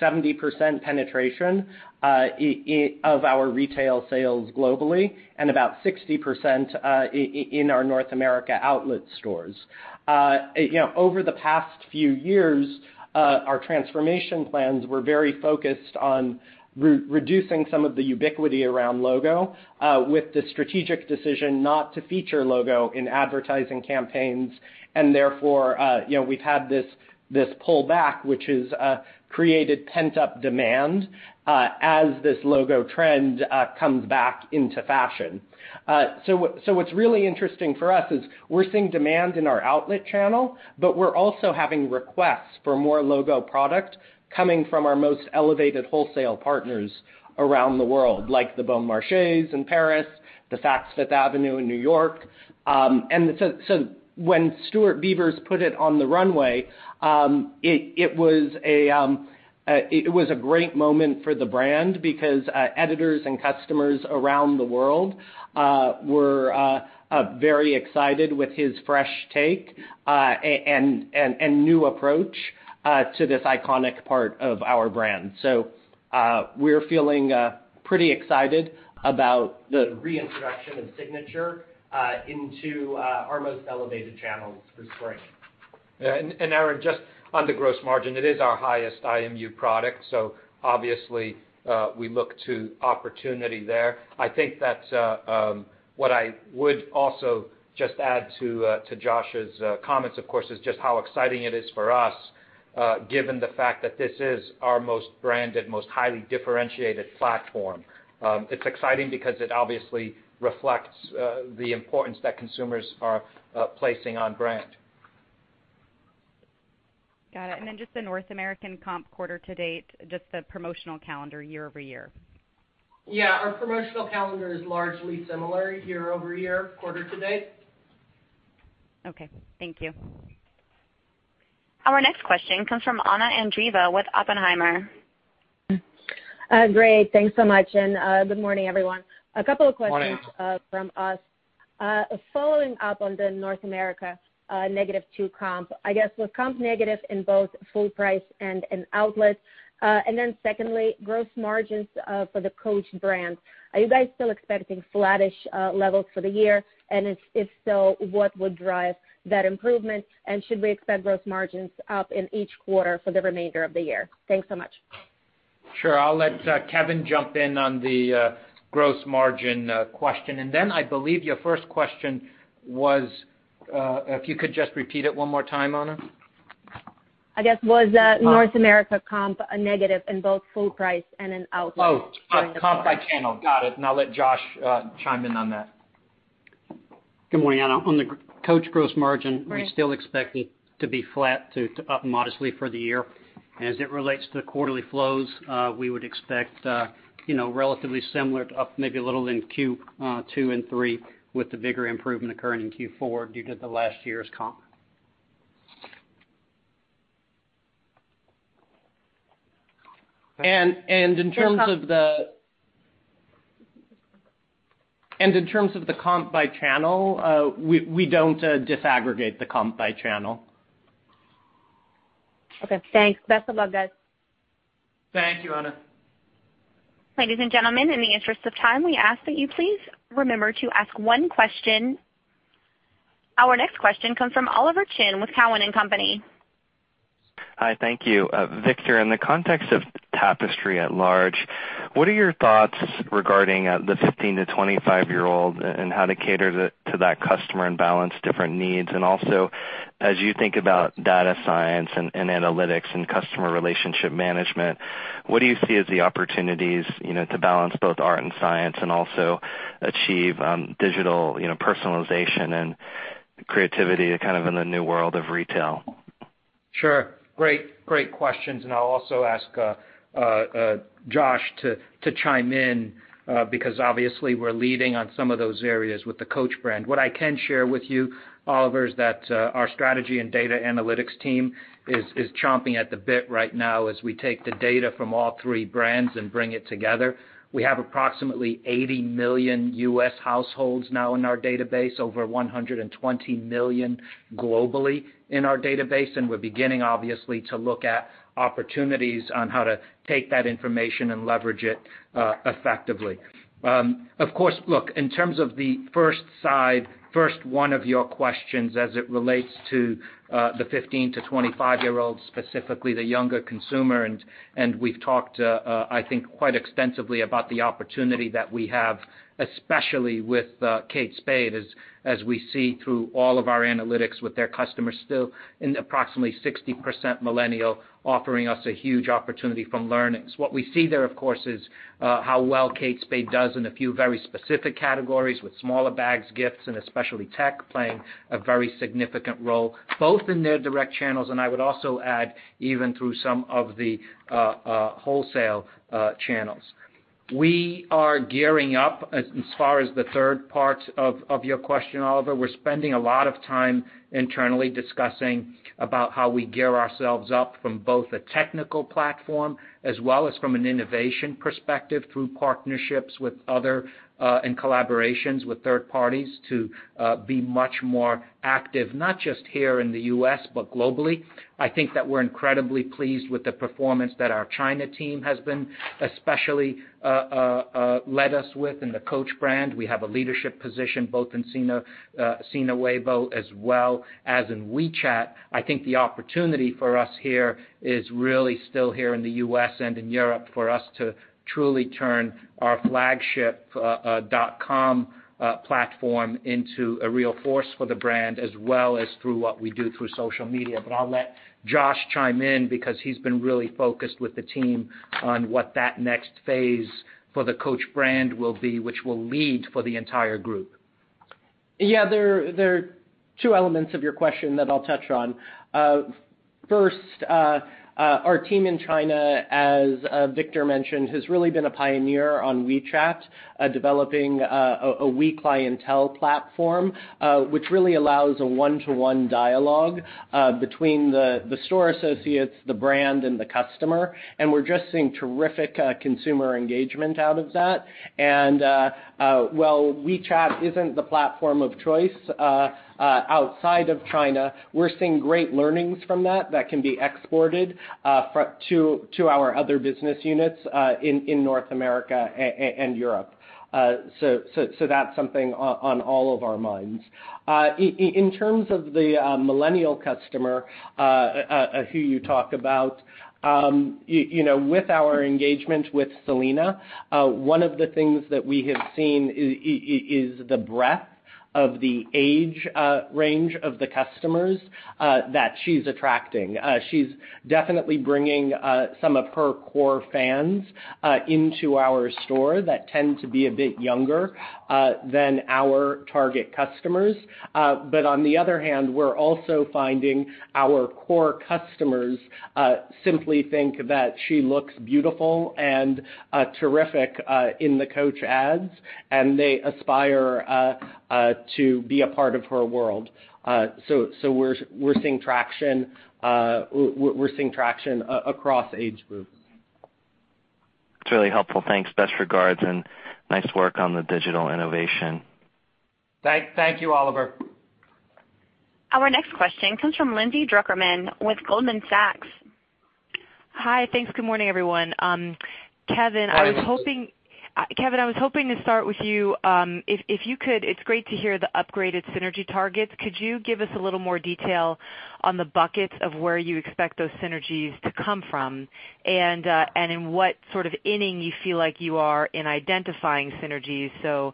70% penetration of our retail sales globally and about 60% in our North America outlet stores. Over the past few years, our transformation plans were very focused on reducing some of the ubiquity around logo with the strategic decision not to feature logo in advertising campaigns. Therefore, we've had this pullback, which has created pent-up demand as this logo trend comes back into fashion. What's really interesting for us is we're seeing demand in our outlet channel, but we're also having requests for more logo product coming from our most elevated wholesale partners around the world, like the Bon Marché in Paris, the Saks Fifth Avenue in New York. When Stuart Vevers put it on the runway, it was a great moment for the brand because editors and customers around the world were very excited with his fresh take and new approach to this iconic part of our brand. We're feeling pretty excited about the reintroduction of Signature into our most elevated channels for spring. Erinn, just on the gross margin, it is our highest IMU product, so obviously we look to opportunity there. I think that what I would also just add to Josh's comments, of course, is just how exciting it is for us given the fact that this is our most branded, most highly differentiated platform. It's exciting because it obviously reflects the importance that consumers are placing on brand. Got it. Then just the North American comp quarter to date, just the promotional calendar year-over-year. Yeah. Our promotional calendar is largely similar year-over-year, quarter to date. Okay. Thank you. Our next question comes from Anna Andreeva with Oppenheimer. Great. Thanks so much. Good morning, everyone. Morning. A couple of questions from us. Following up on the North America negative two comp, I guess was comp negative in both full price and in outlets? Secondly, gross margins for the Coach brand. Are you guys still expecting flattish levels for the year? If so, what would drive that improvement? Should we expect gross margins up in each quarter for the remainder of the year? Thanks so much. Sure. I'll let Kevin jump in on the gross margin question. I believe your first question was, if you could just repeat it one more time, Anna. I guess, was North America comp a negative in both full price and in outlets during the quarter? comp by channel. Got it. I'll let Josh chime in on that. Good morning, Anna. On the Coach gross margin. Right We still expect it to be flat to up modestly for the year. As it relates to the quarterly flows, we would expect relatively similar to up maybe a little in Q2 and 3 with the bigger improvement occurring in Q4 due to the last year's comp. In terms of the comp by channel, we don't disaggregate the comp by channel. Okay, thanks. Best of luck, guys. Thank you, Anna. Ladies and gentlemen, in the interest of time, we ask that you please remember to ask one question. Our next question comes from Oliver Chen with Cowen and Company. Hi. Thank you. Victor, in the context of Tapestry at large, what are your thoughts regarding the 15-25-year-old and how to cater to that customer and balance different needs? Also, as you think about data science and analytics and customer relationship management, what do you see as the opportunities to balance both art and science and also achieve digital personalization and creativity in the new world of retail? Sure. Great questions. I'll also ask Josh to chime in because obviously we're leading on some of those areas with the Coach brand. What I can share with you, Oliver, is that our strategy and data analytics team is chomping at the bit right now as we take the data from all three brands and bring it together. We have approximately 80 million U.S. households now in our database. Over 120 million globally in our database, we're beginning obviously to look at opportunities on how to take that information and leverage it effectively. Of course, look, in terms of the first side, first one of your questions as it relates to the 15-25-year-olds, specifically the younger consumer, we've talked I think quite extensively about the opportunity that we have, especially with Kate Spade, as we see through all of our analytics with their customers still in approximately 60% millennial offering us a huge opportunity from learnings. What we see there, of course, is how well Kate Spade does in a few very specific categories with smaller bags, gifts, especially tech playing a very significant role both in their direct channels, I would also add even through some of the wholesale channels. We are gearing up as far as the third part of your question, Oliver. We're spending a lot of time internally discussing about how we gear ourselves up from both a technical platform as well as from an innovation perspective through partnerships with other and collaborations with third parties to be much more active, not just here in the U.S., but globally. I think that we're incredibly pleased with the performance that our China team has been, especially led us with in the Coach brand. We have a leadership position both in Sina Weibo as well as in WeChat. I think the opportunity for us here is really still here in the U.S. and in Europe for us to truly turn our flagship.com platform into a real force for the brand, as well as through what we do through social media. I'll let Josh chime in because he's been really focused with the team on what that next phase for the Coach brand will be, which will lead for the entire group. There are two elements of your question that I'll touch on. First, our team in China, as Victor mentioned, has really been a pioneer on WeChat, developing a clienteling platform, which really allows a one-to-one dialogue between the store associates, the brand, and the customer. We're just seeing terrific consumer engagement out of that. While WeChat isn't the platform of choice outside of China, we're seeing great learnings from that can be exported to our other business units in North America and Europe. That's something on all of our minds. In terms of the millennial customer who you talk about, with our engagement with Selena, one of the things that we have seen is the breadth of the age range of the customers that she's attracting. She's definitely bringing some of her core fans into our store that tend to be a bit younger than our target customers. On the other hand, we're also finding our core customers simply think that she looks beautiful and terrific in the Coach ads, and they aspire to be a part of her world. We're seeing traction across age groups. It's really helpful. Thanks. Best regards, and nice work on the digital innovation. Thank you, Oliver. Our next question comes from Lindsay Drucker Mann with Goldman Sachs. Hi. Thanks. Good morning, everyone. Hi, Lindsay. Kevin, I was hoping to start with you. If you could, it's great to hear the upgraded synergy targets. Could you give us a little more detail on the buckets of where you expect those synergies to come from? In what sort of inning you feel like you are in identifying synergies. Do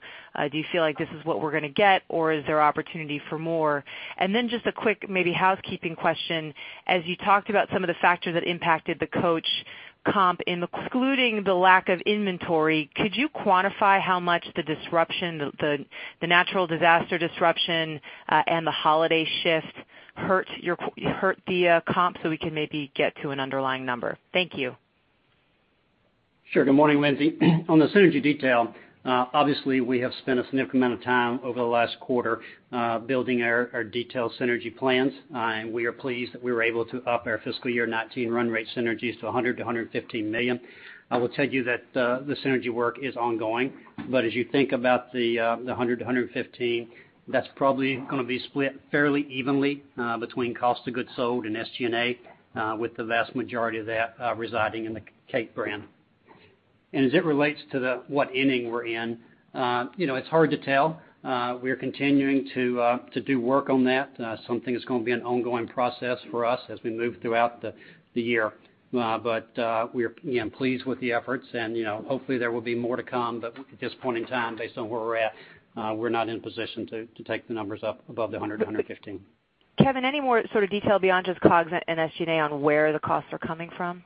you feel like this is what we're going to get, or is there opportunity for more? Just a quick maybe housekeeping question. As you talked about some of the factors that impacted the Coach comp, including the lack of inventory, could you quantify how much the natural disaster disruption, and the holiday shift hurt the comp, so we can maybe get to an underlying number? Thank you. Sure. Good morning, Lindsay. On the synergy detail, obviously we have spent a significant amount of time over the last quarter building our detailed synergy plans. We are pleased that we were able to up our FY 2019 run rate synergies to $100 million-$115 million. I will tell you that the synergy work is ongoing. As you think about the $100 million-$115 million, that's probably going to be split fairly evenly between cost of goods sold and SG&A, with the vast majority of that residing in the Kate brand. As it relates to what inning we're in, it's hard to tell. We are continuing to do work on that. Something that's going to be an ongoing process for us as we move throughout the year. We're pleased with the efforts and hopefully there will be more to come. At this point in time, based on where we're at, we're not in a position to take the numbers up above the $100 million-$115 million. Kevin, any more sort of detail beyond just COGS and SG&A on where the costs are coming from?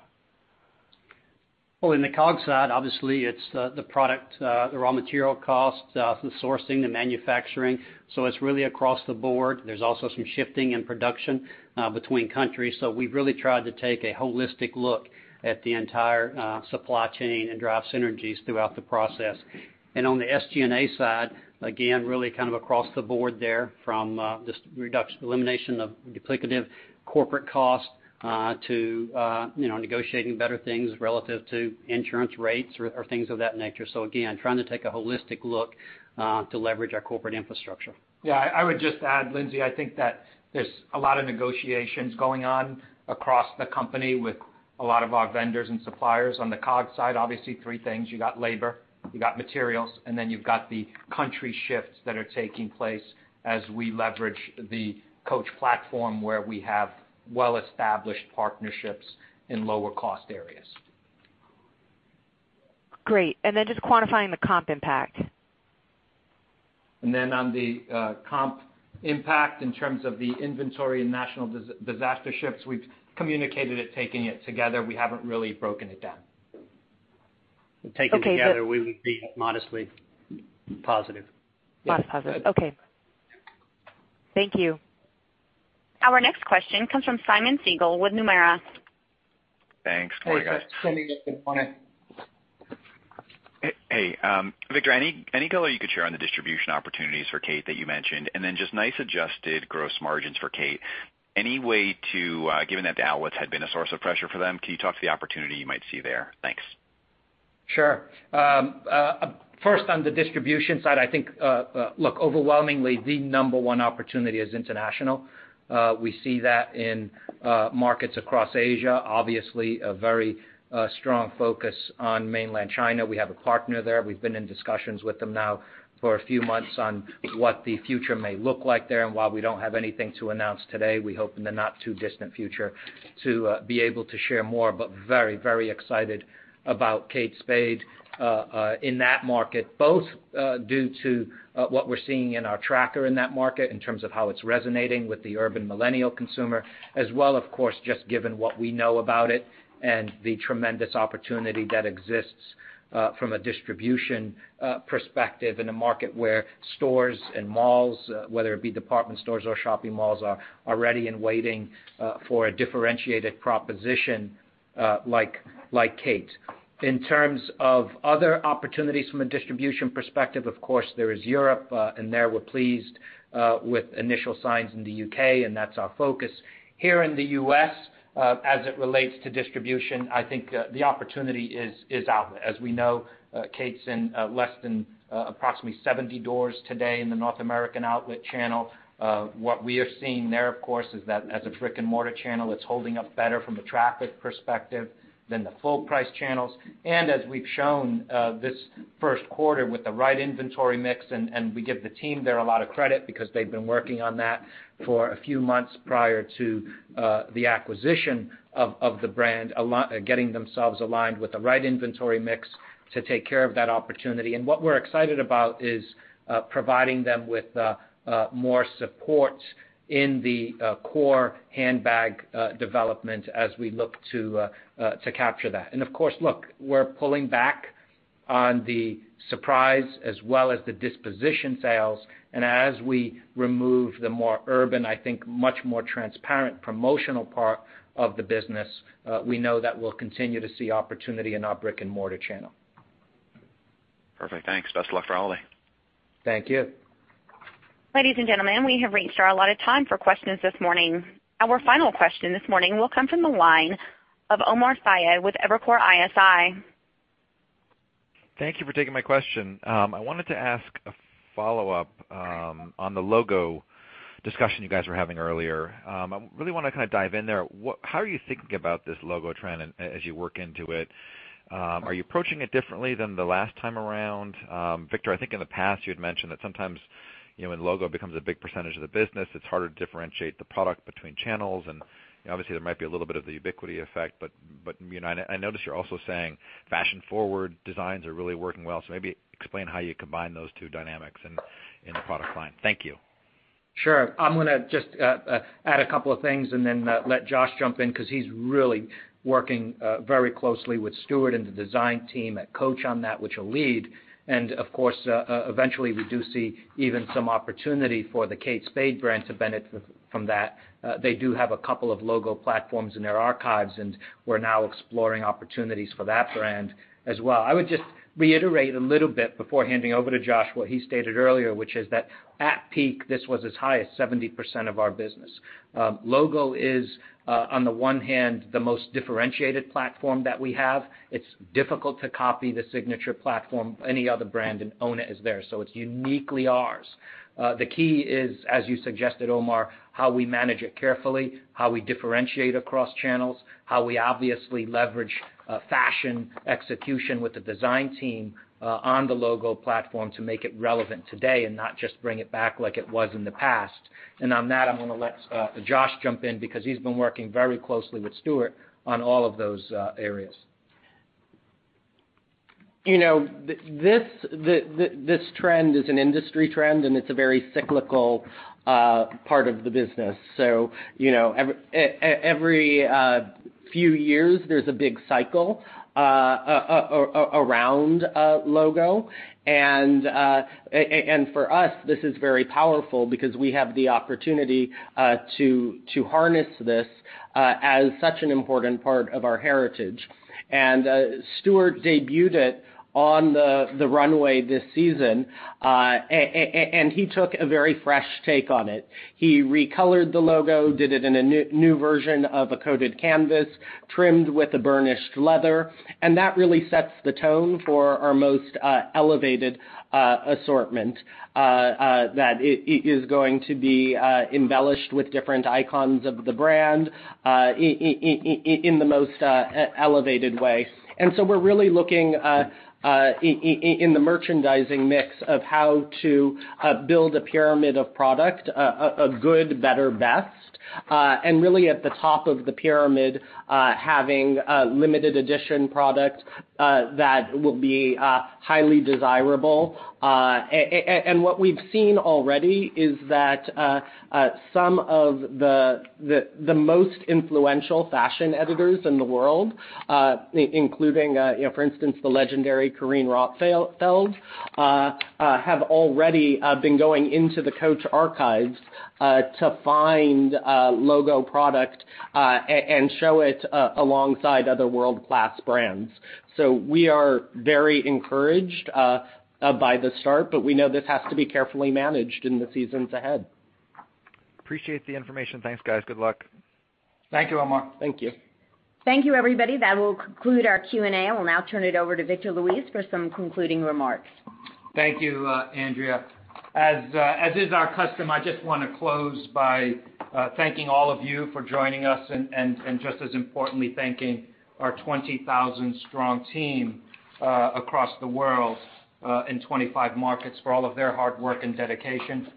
In the COGS side, obviously it's the product, the raw material costs, the sourcing, the manufacturing. It's really across the board. There's also some shifting in production between countries. We've really tried to take a holistic look at the entire supply chain and drive synergies throughout the process. On the SG&A side, again, really kind of across the board there from just elimination of duplicative corporate costs to negotiating better things relative to insurance rates or things of that nature. Again, trying to take a holistic look to leverage our corporate infrastructure. Yeah. I would just add, Lindsay, I think that there's a lot of negotiations going on across the company with a lot of our vendors and suppliers. On the COGS side, obviously three things. You got labor, you got materials, and then you've got the country shifts that are taking place as we leverage the Coach platform where we have well-established partnerships in lower-cost areas. Just quantifying the comp impact. On the comp impact in terms of the inventory and natural disaster shifts, we've communicated it taking it together. We haven't really broken it down. Taking it together, we would be modestly positive. Modestly positive. Okay. Thank you. Our next question comes from Simeon Siegel with Nomura. Thanks. Morning, guys. Hey, guys. Good morning. Hey. Victor Luis, any color you could share on the distribution opportunities for Kate Spade that you mentioned? Just nice adjusted gross margins for Kate Spade. Given that the outlets had been a source of pressure for them, can you talk to the opportunity you might see there? Thanks. Sure. First, on the distribution side, I think, look, overwhelmingly, the number one opportunity is international. We see that in markets across Asia. Obviously, a very strong focus on Mainland China. We have a partner there. We've been in discussions with them now for a few months on what the future may look like there. While we don't have anything to announce today, we hope in the not-too-distant future to be able to share more. Very excited about Kate Spade in that market, both due to what we're seeing in our tracker in that market in terms of how it's resonating with the urban millennial consumer, as well, of course, just given what we know about it and the tremendous opportunity that exists from a distribution perspective in a market where stores and malls, whether it be department stores or shopping malls, are ready and waiting for a differentiated proposition like Kate Spade. In terms of other opportunities from a distribution perspective, of course, there is Europe. There, we're pleased with initial signs in the U.K., that's our focus. Here in the U.S., as it relates to distribution, I think the opportunity is outlet. As we know, Kate Spade's in less than approximately 70 doors today in the North American outlet channel. What we are seeing there, of course, is that as a brick-and-mortar channel, it's holding up better from a traffic perspective than the full-price channels. As we've shown this first quarter with the right inventory mix, we give the team there a lot of credit because they've been working on that for a few months prior to the acquisition of the brand, getting themselves aligned with the right inventory mix to take care of that opportunity. What we're excited about is providing them with more support in the core handbag development as we look to capture that. Of course, look, we're pulling back on the Surprise as well as the disposition sales, as we remove the more urban, I think, much more transparent promotional part of the business, we know that we'll continue to see opportunity in our brick-and-mortar channel. Perfect. Thanks. Best of luck for all of you. Thank you. Ladies and gentlemen, we have reached our allotted time for questions this morning. Our final question this morning will come from the line of Omar Saad with Evercore ISI. Thank you for taking my question. I wanted to ask a follow-up on the logo discussion you guys were having earlier. I really want to kind of dive in there. How are you thinking about this logo trend as you work into it? Are you approaching it differently than the last time around? Victor, I think in the past, you had mentioned that sometimes when logo becomes a big percentage of the business, it's harder to differentiate the product between channels, and obviously, there might be a little bit of the ubiquity effect. I notice you're also saying fashion-forward designs are really working well. Maybe explain how you combine those two dynamics in the product line. Thank you. Sure. I'm going to just add a couple of things and then let Josh jump in because he's really working very closely with Stuart and the design team at Coach on that, which will lead. Of course, eventually we do see even some opportunity for the Kate Spade brand to benefit from that. They do have a couple of logo platforms in their archives, we're now exploring opportunities for that brand as well. I would just reiterate a little bit before handing over to Josh what he stated earlier, which is that at peak, this was as high as 70% of our business. Logo is, on the one hand, the most differentiated platform that we have. It's difficult to copy the signature platform any other brand and own it as theirs. It's uniquely ours. The key is, as you suggested, Omar, how we manage it carefully, how we differentiate across channels, how we obviously leverage fashion execution with the design team on the logo platform to make it relevant today and not just bring it back like it was in the past. On that, I'm going to let Josh jump in because he's been working very closely with Stuart on all of those areas. This trend is an industry trend, it's a very cyclical part of the business. Every few years, there's a big cycle around a logo. For us, this is very powerful because we have the opportunity to harness this as such an important part of our heritage. Stuart debuted it on the runway this season, he took a very fresh take on it. He recolored the logo, did it in a new version of a coated canvas, trimmed with a burnished leather, that really sets the tone for our most elevated assortment that is going to be embellished with different icons of the brand in the most elevated way. We're really looking in the merchandising mix of how to build a pyramid of product, a good, better, best. Really at the top of the pyramid, having a limited edition product that will be highly desirable. What we've seen already is that some of the most influential fashion editors in the world, including, for instance, the legendary Carine Roitfeld, have already been going into the Coach archives to find logo product and show it alongside other world-class brands. We are very encouraged by the start, we know this has to be carefully managed in the seasons ahead. Appreciate the information. Thanks, guys. Good luck. Thank you, Omar. Thank you. Thank you, everybody. That will conclude our Q&A. I will now turn it over to Victor Luis for some concluding remarks. Thank you, Andrea. As is our custom, I just want to close by thanking all of you for joining us, and just as importantly, thanking our 20,000 strong team across the world in 25 markets for all of their hard work and dedication.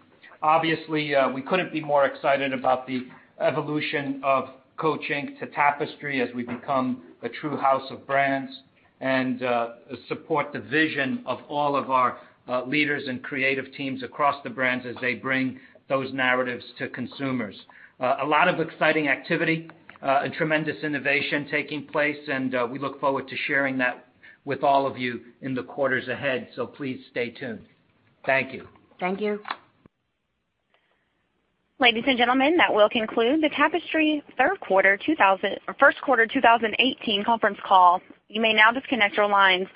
Obviously, we couldn't be more excited about the evolution of Coach Inc. to Tapestry as we become a true house of brands and support the vision of all of our leaders and creative teams across the brands as they bring those narratives to consumers. A lot of exciting activity and tremendous innovation taking place, and we look forward to sharing that with all of you in the quarters ahead. Please stay tuned. Thank you. Thank you. Ladies and gentlemen, that will conclude the Tapestry first quarter 2018 conference call. You may now disconnect your lines.